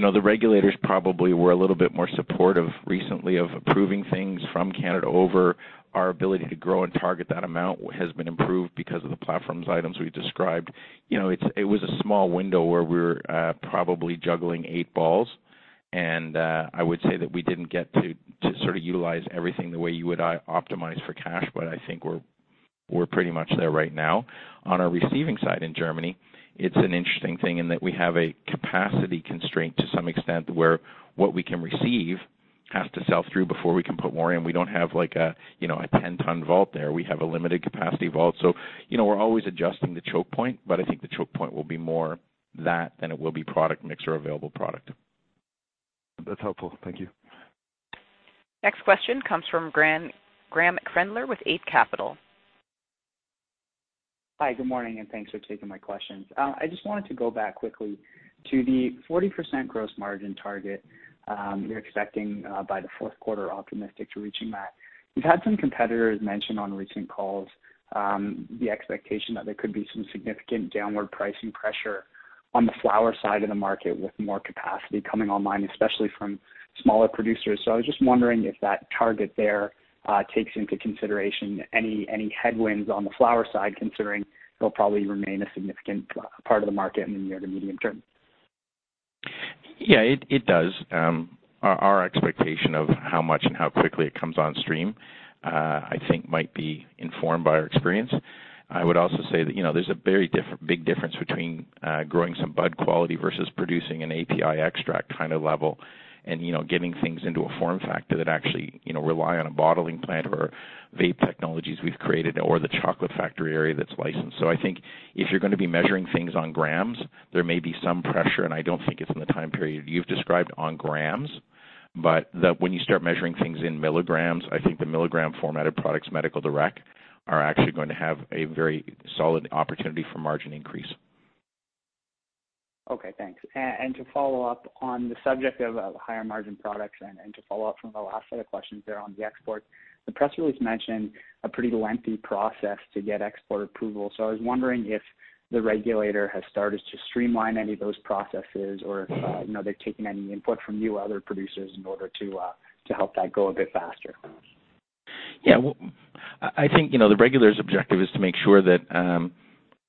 the regulators probably were a little bit more supportive recently of approving things from Canada over our ability to grow and target that amount has been improved because of the platforms items we described. It was a small window where we were probably juggling eight balls. I would say that we didn't get to utilize everything the way you would optimize for cash, but I think we're pretty much there right now. On our receiving side in Germany, it's an interesting thing in that we have a capacity constraint to some extent, where what we can receive has to sell through before we can put more in. We don't have a 10-ton vault there. We have a limited capacity vault. We're always adjusting the choke point, but I think the choke point will be more that than it will be product mix or available product. That's helpful. Thank you. Next question comes from Graeme Kreindler with Eight Capital. Hi, good morning, and thanks for taking my questions. I just wanted to go back quickly to the 40% gross margin target you're expecting by the fourth quarter, optimistic to reaching that. You've had some competitors mention on recent calls the expectation that there could be some significant downward pricing pressure on the flower side of the market with more capacity coming online, especially from smaller producers. I was just wondering if that target there takes into consideration any headwinds on the flower side, considering they'll probably remain a significant part of the market in the near to medium term. Yeah, it does. Our expectation of how much and how quickly it comes on stream, I think, might be informed by our experience. I would also say that there's a very big difference between growing some bud quality versus producing an API extract kind of level and getting things into a form factor that actually rely on a bottling plant or vape technologies we've created or the chocolate factory area that's licensed. I think if you're going to be measuring things on grams, there may be some pressure, and I don't think it's in the time period you've described on grams. When you start measuring things in milligrams, I think the milligram format of products medical direct are actually going to have a very solid opportunity for margin increase. Okay, thanks. To follow up on the subject of higher margin products and to follow up from the last set of questions there on the export, the press release mentioned a pretty lengthy process to get export approval. I was wondering if the regulator has started to streamline any of those processes or if they're taking any input from you, other producers in order to help that go a bit faster. I think the regulator's objective is to make sure that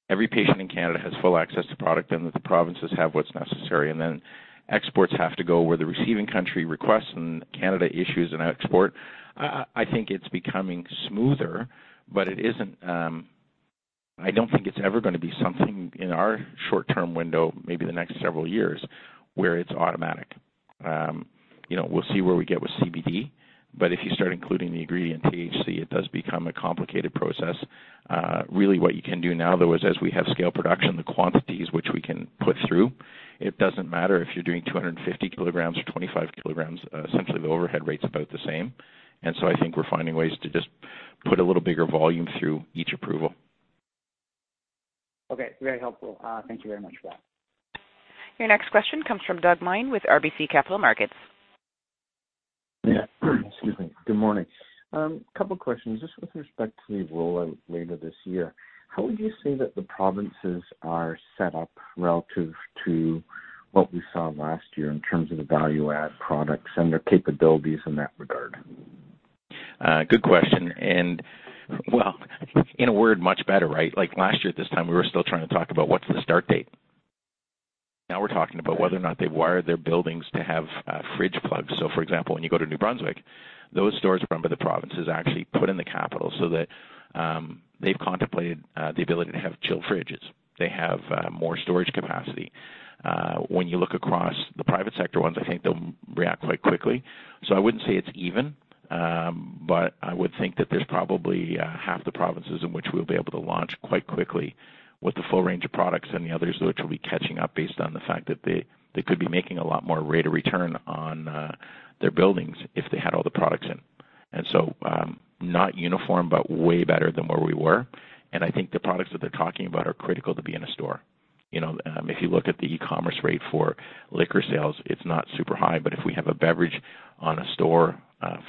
every patient in Canada has full access to product and that the provinces have what's necessary, then exports have to go where the receiving country requests and Canada issues an export. I think it's becoming smoother, but I don't think it's ever going to be something in our short-term window, maybe the next several years, where it's automatic. We'll see where we get with CBD, but if you start including the ingredient THC, it does become a complicated process. Really what you can do now, though, is as we have scale production, the quantities which we can put through, it doesn't matter if you're doing 250 kilograms or 25 kilograms, essentially the overhead rate's about the same. I think we're finding ways to just put a little bigger volume through each approval. Okay. Very helpful. Thank you very much for that. Your next question comes from Doug Miehm with RBC Capital Markets. Excuse me. Good morning. Couple questions, just with respect to the rollout later this year. How would you say that the provinces are set up relative to what we saw last year in terms of the value-add products and their capabilities in that regard? Good question, well, in a word, much better, right? Last year at this time, we were still trying to talk about what's the start date. Now we're talking about whether or not they've wired their buildings to have fridge plugs. For example, when you go to New Brunswick, those stores run by the provinces actually put in the capital so that they've contemplated the ability to have chill fridges. They have more storage capacity. When you look across the private sector ones, I think they'll react quite quickly. I wouldn't say it's even, but I would think that there's probably half the provinces in which we'll be able to launch quite quickly with the full range of products and the others which will be catching up based on the fact that they could be making a lot more rate of return on their buildings if they had all the products in. Not uniform, but way better than where we were. I think the products that they're talking about are critical to be in a store. If you look at the e-commerce rate for liquor sales, it's not super high, but if we have a beverage on a store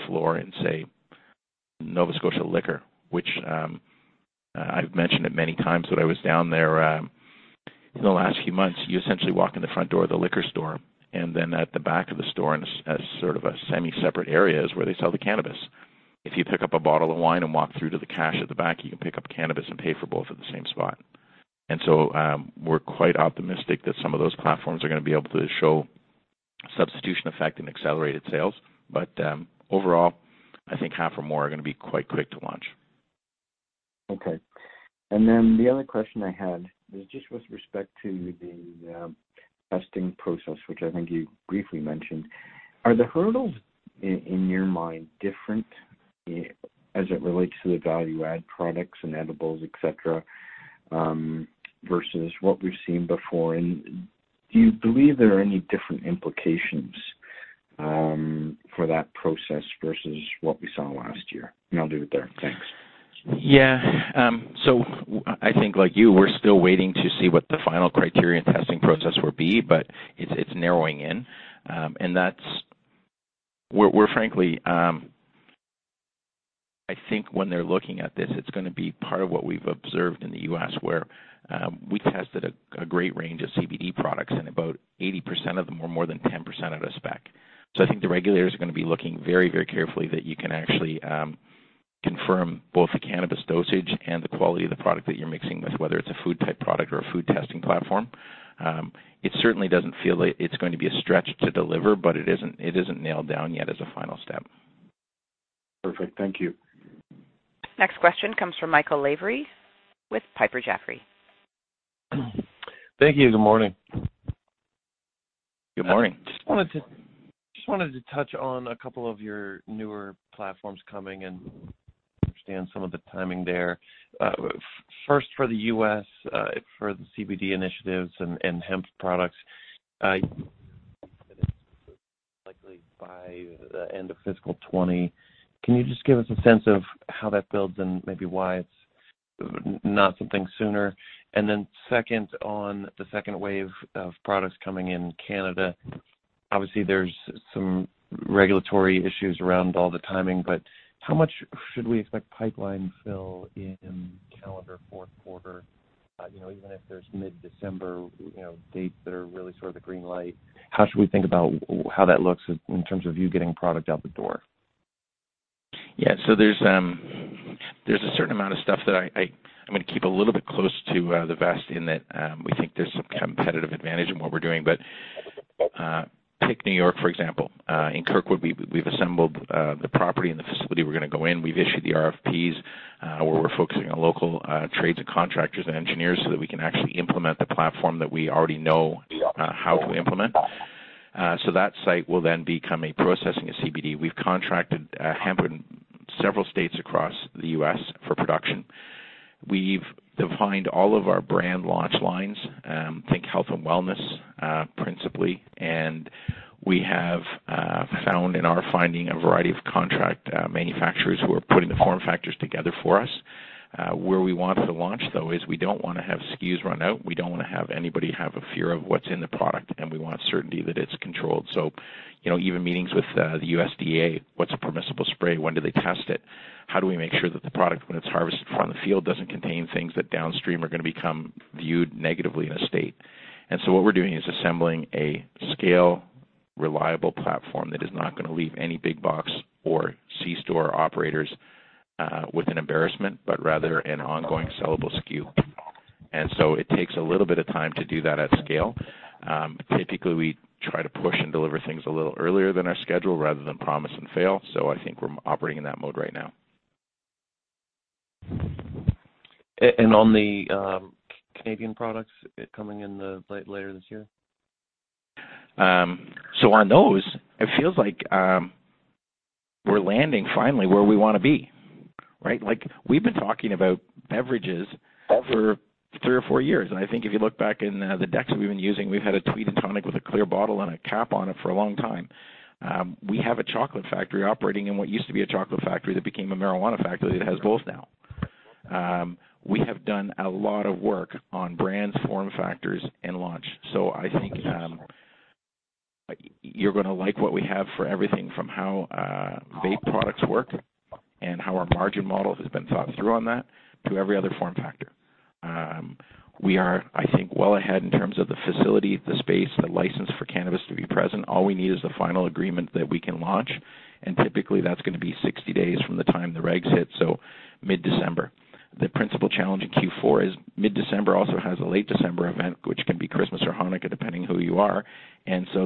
floor in, say, Nova Scotia Liquor, which I've mentioned it many times that I was down there in the last few months. You essentially walk in the front door of the liquor store, then at the back of the store as sort of a semi-separate area is where they sell the cannabis. If you pick up a bottle of wine and walk through to the cash at the back, you can pick up cannabis and pay for both at the same spot. We're quite optimistic that some of those platforms are going to be able to show substitution effect and accelerated sales. Overall, I think half or more are going to be quite quick to launch. Okay. Then the other question I had was just with respect to the testing process, which I think you briefly mentioned. Are the hurdles, in your mind, different as it relates to the value-add products and edibles, et cetera, versus what we've seen before? Do you believe there are any different implications for that process versus what we saw last year? I'll leave it there. Thanks. I think, like you, we're still waiting to see what the final criteria and testing process will be, but it's narrowing in. When they're looking at this, it's going to be part of what we've observed in the U.S., where we tested a great range of CBD products, and about 80% of them were more than 10% out of spec. I think the regulators are going to be looking very carefully that you can actually confirm both the cannabis dosage and the quality of the product that you're mixing with, whether it's a food-type product or a food testing platform. It certainly doesn't feel like it's going to be a stretch to deliver, but it isn't nailed down yet as a final step. Perfect. Thank you. Next question comes from Michael Lavery with Piper Jaffray. Thank you. Good morning. Good morning. Just wanted to touch on a couple of your newer platforms coming and understand some of the timing there. First, for the U.S., for the CBD initiatives and hemp products, likely by the end of fiscal 2020. Can you just give us a sense of how that builds and maybe why it's not something sooner? Second, on the second wave of products coming in Canada, obviously there's some regulatory issues around all the timing, how much should we expect pipeline fill in calendar fourth quarter? Even if there's mid-December dates that are really sort of the green light, how should we think about how that looks in terms of you getting product out the door? There's a certain amount of stuff that I'm going to keep a little bit close to the vest in that we think there's some competitive advantage in what we're doing. Take New York, for example. In Kirkwood, we've assembled the property and the facility we're going to go in. We've issued the RFPs, where we're focusing on local trades and contractors and engineers so that we can actually implement the platform that we already know how to implement. That site will then become a processing of CBD. We've contracted hemp in several states across the U.S. for production. We've defined all of our brand launch lines, think health and wellness, principally. We have found in our finding a variety of contract manufacturers who are putting the form factors together for us. Where we want to launch, though, is we don't want to have SKUs run out. We don't want to have anybody have a fear of what's in the product, and we want certainty that it's controlled. Even meetings with the USDA, what's a permissible spray? When do they test it? How do we make sure that the product, when it's harvested from the field, doesn't contain things that downstream are going to become viewed negatively in a state? What we're doing is assembling a scale, reliable platform that is not going to leave any big box or C-store operators with an embarrassment, rather an ongoing sellable SKU. It takes a little bit of time to do that at scale. Typically, we try to push and deliver things a little earlier than our schedule rather than promise and fail. I think we're operating in that mode right now. On the Canadian products coming in later this year? On those, it feels like we're landing finally where we want to be, right? We've been talking about beverages for three or four years, and I think if you look back in the decks we've been using, we've had a Tweed and Tonic with a clear bottle and a cap on it for a long time. We have a chocolate factory operating in what used to be a chocolate factory that became a marijuana factory that has both now. We have done a lot of work on brands, form factors, and launch. I think, you're going to like what we have for everything from how vape products work and how our margin model has been thought through on that to every other form factor. We are, I think, well ahead in terms of the facility, the space, the license for cannabis to be present. All we need is the final agreement that we can launch, and typically that's going to be 60 days from the time the regs hit, mid-December. The principal challenge in Q4 is mid-December also has a late December event, which can be Christmas or Hanukkah, depending who you are.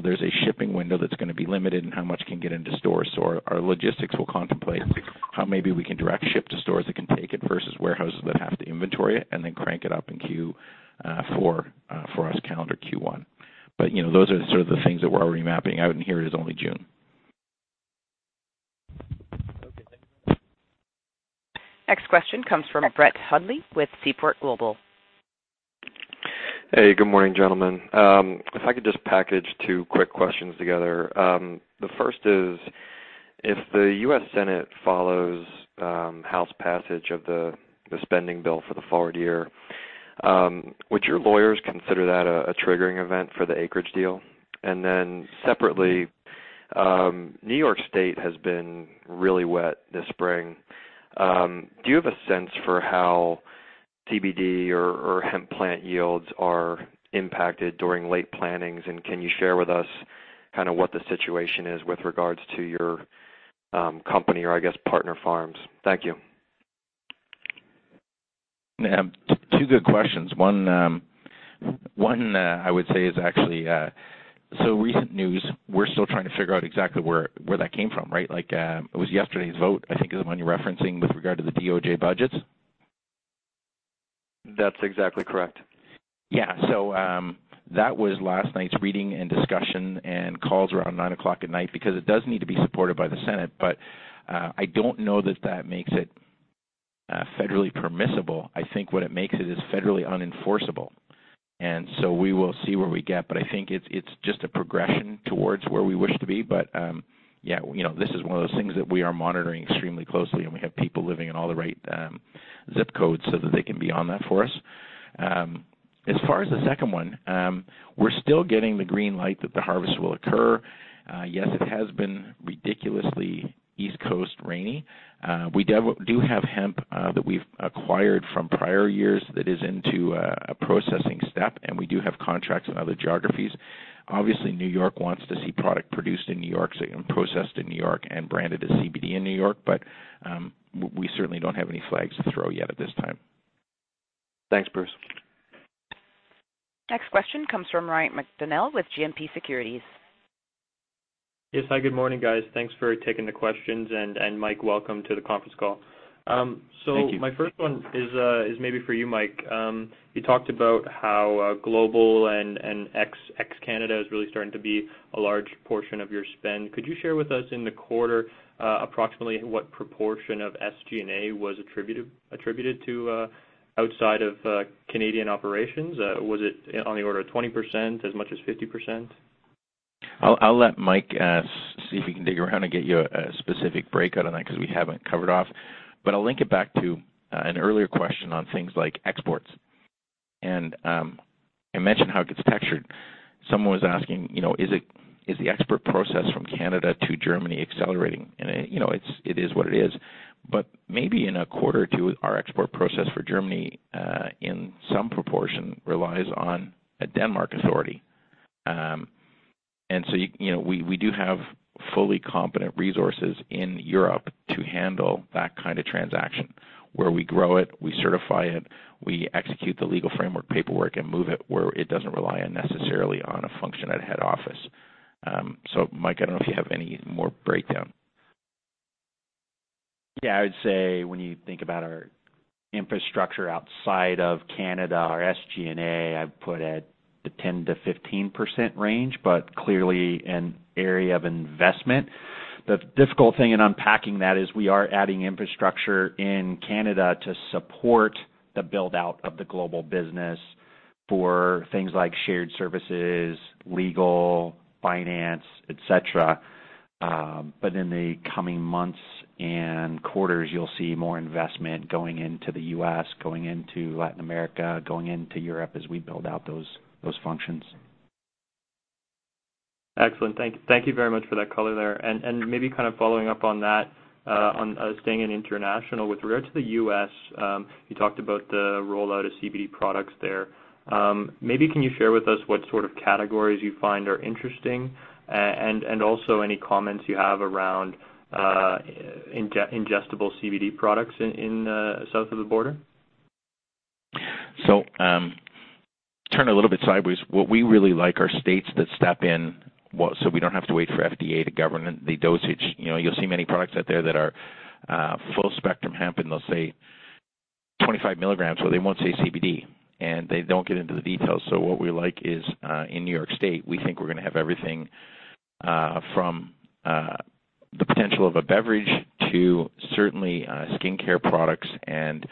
There's a shipping window that's going to be limited in how much can get into stores. Our logistics will contemplate how maybe we can direct ship to stores that can take it versus warehouses that have to inventory it and then crank it up in Q4, for us, calendar Q1. Those are sort of the things that we're already mapping out, and here it is only June. Okay. Thank you. Next question comes from Brett Hundley with Seaport Global. Hey, good morning, gentlemen. If I could just package two quick questions together. The first is, if the U.S. Senate follows House passage of the spending bill for the forward year, would your lawyers consider that a triggering event for the Acreage deal? Separately, New York State has been really wet this spring. Do you have a sense for how TBD or hemp plant yields are impacted during late plantings, and can you share with us what the situation is with regards to your company or I guess, partner farms. Thank you. Two good questions. One I would say is actually, recent news, we're still trying to figure out exactly where that came from, right? It was yesterday's vote, I think, is the one you're referencing with regard to the DOJ budgets. That's exactly correct. Yeah. That was last night's reading and discussion and calls around nine o'clock at night because it does need to be supported by the Senate, I don't know that makes it federally permissible. I think what it makes it is federally unenforceable. We will see where we get, I think it's just a progression towards where we wish to be. Yeah. This is one of those things that we are monitoring extremely closely, and we have people living in all the right zip codes so that they can be on that for us. As far as the second one, we're still getting the green light that the harvest will occur. Yes, it has been ridiculously East Coast rainy. We do have hemp that we've acquired from prior years that is into a processing step, and we do have contracts in other geographies. Obviously, New York wants to see product produced in New York, and processed in New York, and branded as CBD in New York, we certainly don't have any flags to throw yet at this time. Thanks, Bruce. Next question comes from Ryan McDarnell with GMP Securities. Yes, hi. Good morning, guys. Thanks for taking the questions. Mike, welcome to the conference call. Thank you. My first one is maybe for you, Mike. You talked about how global and ex Canada is really starting to be a large portion of your spend. Could you share with us in the quarter, approximately what proportion of SG&A was attributed to outside of Canadian operations? Was it on the order of 20%, as much as 50%? I'll let Mike see if he can dig around and get you a specific breakout on that, because we have it covered off, but I'll link it back to an earlier question on things like exports. I mentioned how it gets textured. Someone was asking, is the export process from Canada to Germany accelerating? It is what it is, but maybe in a quarter or two, our export process for Germany, in some proportion, relies on a Denmark authority. We do have fully competent resources in Europe to handle that kind of transaction, where we grow it, we certify it, we execute the legal framework paperwork and move it where it doesn't rely unnecessarily on a function at head office. Mike, I don't know if you have any more breakdown. Yeah, I would say when you think about our infrastructure outside of Canada, our SG&A, I'd put at the 10%-15% range, clearly an area of investment. The difficult thing in unpacking that is we are adding infrastructure in Canada to support the build-out of the global business for things like shared services, legal, finance, et cetera. In the coming months and quarters, you'll see more investment going into the U.S., going into Latin America, going into Europe as we build out those functions. Excellent. Thank you very much for that color there. Maybe kind of following up on that, on staying in international with regard to the U.S., you talked about the rollout of CBD products there. Maybe can you share with us what sort of categories you find are interesting, and also any comments you have around ingestible CBD products in south of the border? Turn a little bit sideways. What we really like are states that step in so we don't have to wait for FDA to govern the dosage. You'll see many products out there that are full-spectrum hemp, and they'll say 25 milligrams, or they won't say CBD, and they don't get into the details. What we like is, in New York State, we think we're going to have everything, from the potential of a beverage to certainly skincare products and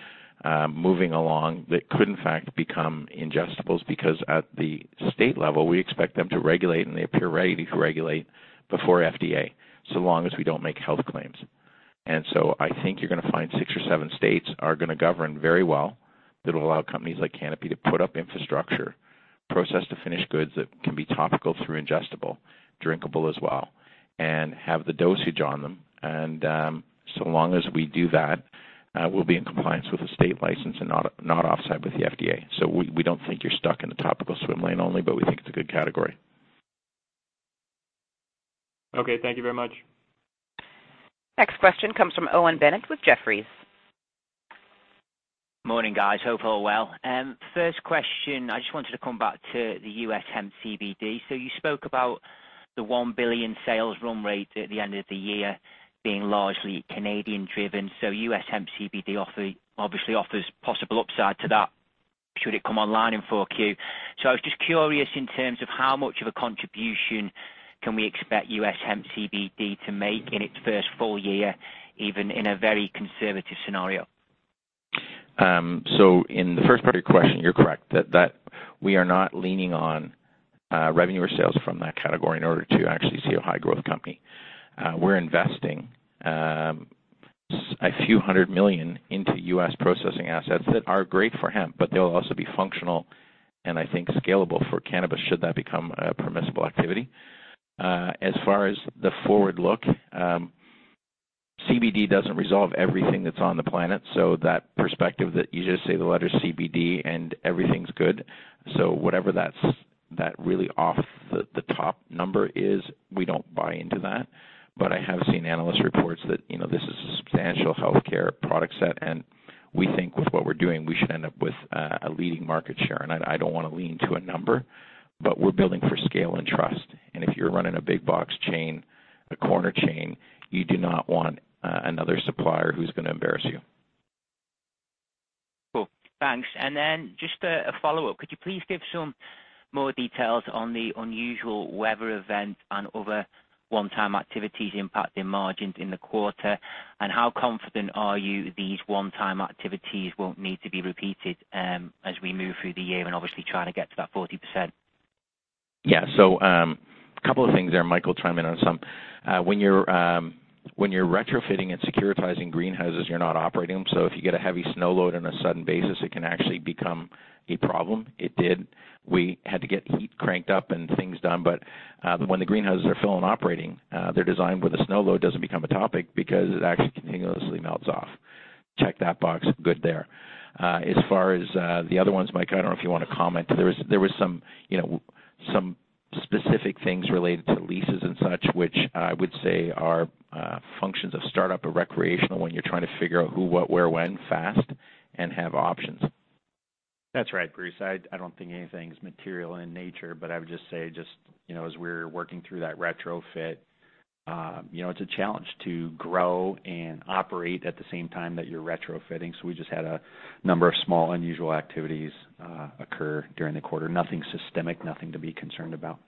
moving along that could in fact become ingestibles, because at the state level, we expect them to regulate and they appear ready to regulate before FDA, so long as we don't make health claims. I think you're going to find six or seven states are going to govern very well. That'll allow companies like Canopy to put up infrastructure, process the finished goods that can be topical through ingestible, drinkable as well, and have the dosage on them. So long as we do that, we'll be in compliance with the state license and not offsite with the FDA. We don't think you're stuck in the topical swim lane only, but we think it's a good category. Okay, thank you very much. Next question comes from Owen Bennett with Jefferies. Morning, guys. Hope all well. First question, I just wanted to come back to the U.S. hemp CBD. You spoke about the 1 billion sales run rate at the end of the year being largely Canadian driven. U.S. hemp CBD obviously offers possible upside to that should it come online in 4Q. I was just curious in terms of how much of a contribution can we expect U.S. hemp CBD to make in its first full year, even in a very conservative scenario? In the first part of your question, you're correct that we are not leaning on revenue or sales from that category in order to actually see a high growth company. We're investing CAD a few hundred million into U.S. processing assets that are great for hemp, but they'll also be functional and I think scalable for cannabis should that become a permissible activity. As far as the forward look, CBD doesn't resolve everything that's on the planet. That perspective that you just say the letter CBD and everything's good, whatever that really off the top number is, we don't buy into that. I have seen analyst reports that this is a substantial healthcare product set, and we think with what we're doing, we should end up with a leading market share. I don't want to lean to a number, but we're building for scale and trust. If you're running a big box chain, a corner chain, you do not want another supplier who's going to embarrass you. Cool. Thanks. Then just a follow-up, could you please give some more details on the unusual weather event and other one-time activities impacting margins in the quarter? How confident are you these one-time activities won't need to be repeated as we move through the year and obviously trying to get to that 40%? A couple of things there. Mike will chime in on some. When you're retrofitting and securitizing greenhouses, you're not operating them. If you get a heavy snow load on a sudden basis, it can actually become a problem. It did. We had to get heat cranked up and things done, but when the greenhouses are full and operating, they're designed where the snow load doesn't become a topic because it actually continuously melts off. Check that box. Good there. As far as the other ones, Mike, I don't know if you want to comment. There was some specific things related to leases and such, which I would say are functions of startup or recreational when you're trying to figure out who, what, where, when fast and have options. That's right, Bruce. I don't think anything's material in nature, but I would just say just as we're working through that retrofit, it's a challenge to grow and operate at the same time that you're retrofitting. We just had a number of small, unusual activities occur during the quarter. Nothing systemic, nothing to be concerned about.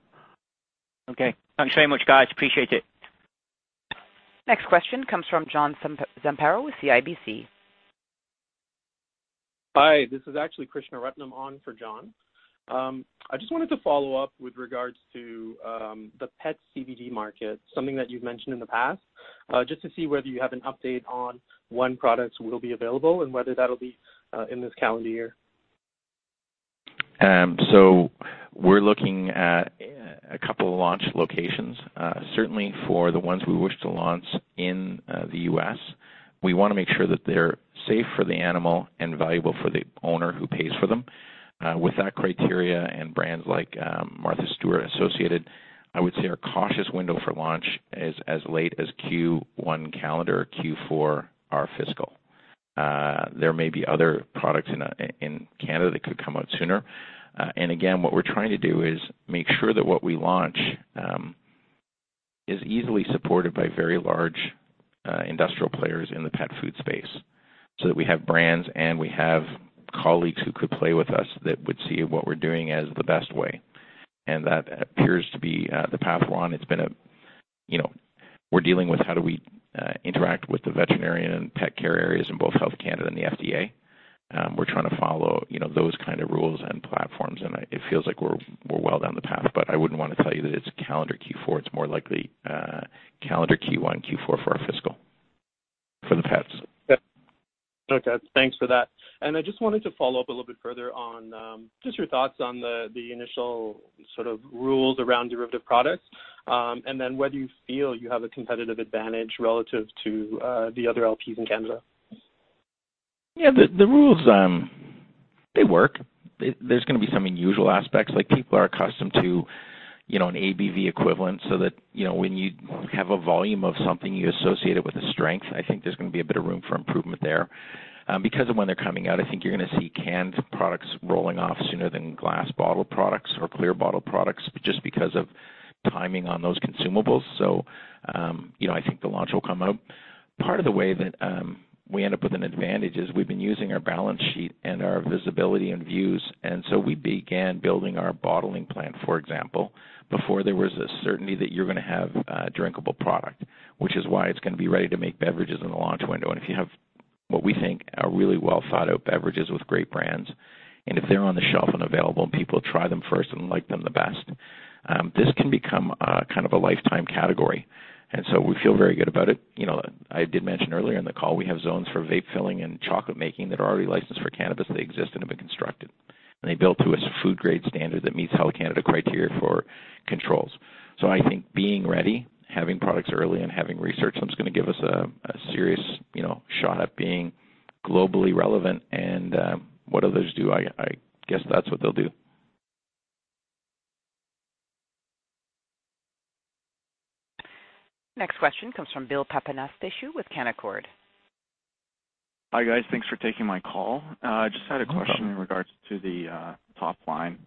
Okay. Thanks very much, guys. Appreciate it. Next question comes from John Zamparo with CIBC. Hi, this is actually Krishna Ratnam on for John. I just wanted to follow up with regards to the pet CBD market, something that you've mentioned in the past, just to see whether you have an update on when products will be available and whether that'll be in this calendar year. We're looking at a couple of launch locations. Certainly for the ones we wish to launch in the U.S., we want to make sure that they're safe for the animal and valuable for the owner who pays for them. With that criteria and brands like Martha Stewart associated, I would say our cautious window for launch is as late as Q1 calendar or Q4 our fiscal. There may be other products in Canada that could come out sooner. Again, what we're trying to do is make sure that what we launch, is easily supported by very large industrial players in the pet food space, so that we have brands and we have colleagues who could play with us that would see what we're doing as the best way. That appears to be the path one. We're dealing with how do we interact with the veterinarian and pet care areas in both Health Canada and the FDA. We're trying to follow those kind of rules and platforms, it feels like we're well down the path, I wouldn't want to tell you that it's calendar Q4. It's more likely calendar Q1, Q4 for our fiscal for the pets. Okay. Thanks for that. I just wanted to follow up a little bit further on just your thoughts on the initial sort of rules around derivative products, and then whether you feel you have a competitive advantage relative to the other LPs in Canada. Yeah, the rules, they work. There's going to be some unusual aspects, like people are accustomed to an ABV equivalent so that when you have a volume of something, you associate it with a strength. I think there's going to be a bit of room for improvement there. Because of when they're coming out, I think you're going to see canned products rolling off sooner than glass bottle products or clear bottle products, just because of timing on those consumables. I think the launch will come out. Part of the way that we end up with an advantage is we've been using our balance sheet and our visibility and views, we began building our bottling plant, for example, before there was a certainty that you're going to have a drinkable product. Which is why it's going to be ready to make beverages in the launch window. If you have what we think are really well-thought-out beverages with great brands, if they are on the shelf and available and people try them first and like them the best, this can become a kind of a lifetime category. We feel very good about it. I did mention earlier in the call, we have zones for vape filling and chocolate making that are already licensed for cannabis. They exist and have been constructed. They built to a food-grade standard that meets Health Canada criteria for controls. I think being ready, having products early, and having research that is going to give us a serious shot at being globally relevant and what others do, I guess that is what they will do. Next question comes from Bill Papanastasiou with Canaccord. Hi, guys. Thanks for taking my call. No problem. I just had a question in regards to the top line.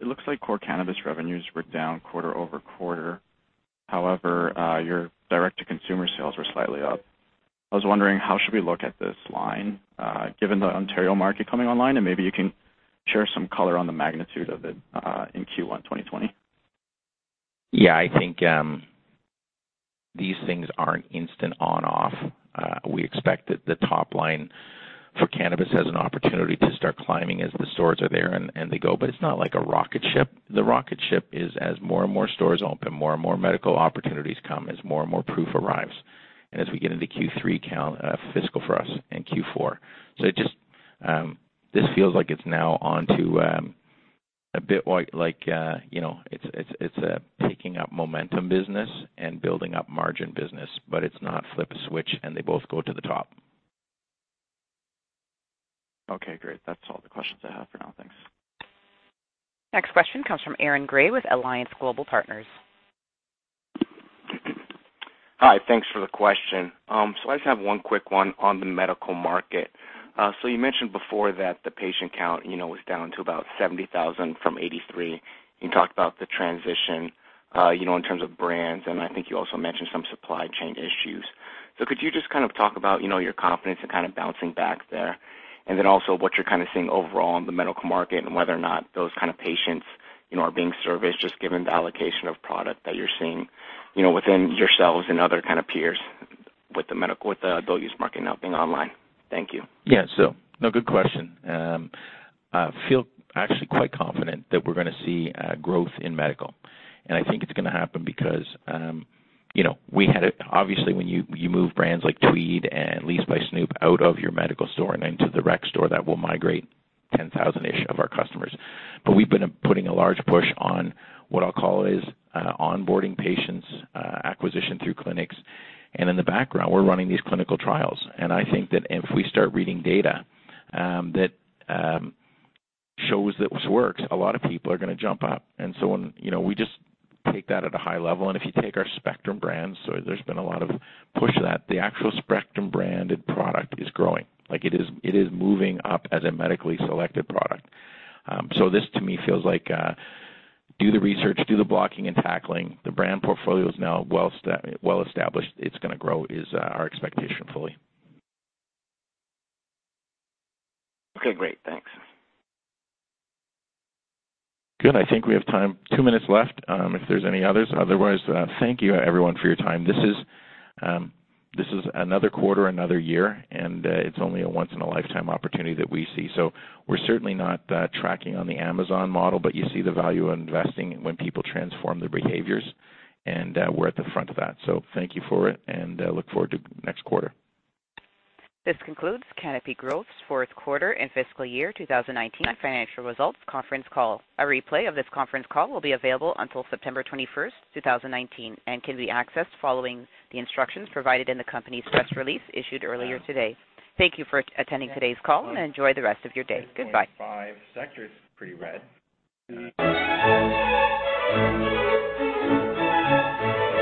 It looks like core cannabis revenues were down quarter-over-quarter. However, your direct-to-consumer sales were slightly up. I was wondering how should we look at this line, given the Ontario market coming online, and maybe you can share some color on the magnitude of it, in Q1 2020. Yeah, I think these things aren't instant on/off. We expect that the top line for cannabis has an opportunity to start climbing as the stores are there and they go, but it's not like a rocket ship. The rocket ship is as more and more stores open, more and more medical opportunities come, as more and more proof arrives. As we get into Q3 fiscal for us and Q4. This feels like it's now on to a bit like it's a picking up momentum business and building up margin business, but it's not flip a switch and they both go to the top. Okay, great. That's all the questions I have for now. Thanks. Next question comes from Aaron Grey with Alliance Global Partners. Hi, thanks for the question. I just have one quick one on the medical market. You mentioned before that the patient count was down to about 70,000 from 83. You talked about the transition in terms of brands, and I think you also mentioned some supply chain issues. Could you just talk about your confidence in kind of bouncing back there? And then also what you're kind of seeing overall in the medical market and whether or not those kind of patients are being serviced just given the allocation of product that you're seeing within yourselves and other kind of peers with the adult use market now being online. Thank you. Yeah, good question. I feel actually quite confident that we're going to see growth in medical. I think it's going to happen because obviously when you move brands like Tweed and Leafs By Snoop out of your medical store and into the rec store, that will migrate 10,000-ish of our customers. We've been putting a large push on what I'll call is onboarding patients, acquisition through clinics. In the background, we're running these clinical trials. I think that if we start reading data that shows that this works, a lot of people are going to jump up. We just take that at a high level, and if you take our Spectrum brands, there's been a lot of push that the actual Spectrum branded product is growing. Like it is moving up as a medically selected product. This to me feels like, do the research, do the blocking and tackling. The brand portfolio is now well-established. It's going to grow is our expectation fully. Okay, great. Thanks. Good. I think we have time, two minutes left, if there's any others. Otherwise, thank you everyone for your time. This is another quarter, another year, and it's only a once in a lifetime opportunity that we see. We're certainly not tracking on the Amazon model, but you see the value in investing when people transform their behaviors, and we're at the front of that. Thank you for it, and look forward to next quarter. This concludes Canopy Growth's fourth quarter and fiscal year 2019 financial results conference call. A replay of this conference call will be available until September 21st, 2019 and can be accessed following the instructions provided in the company's press release issued earlier today. Thank you for attending today's call and enjoy the rest of your day. Goodbye.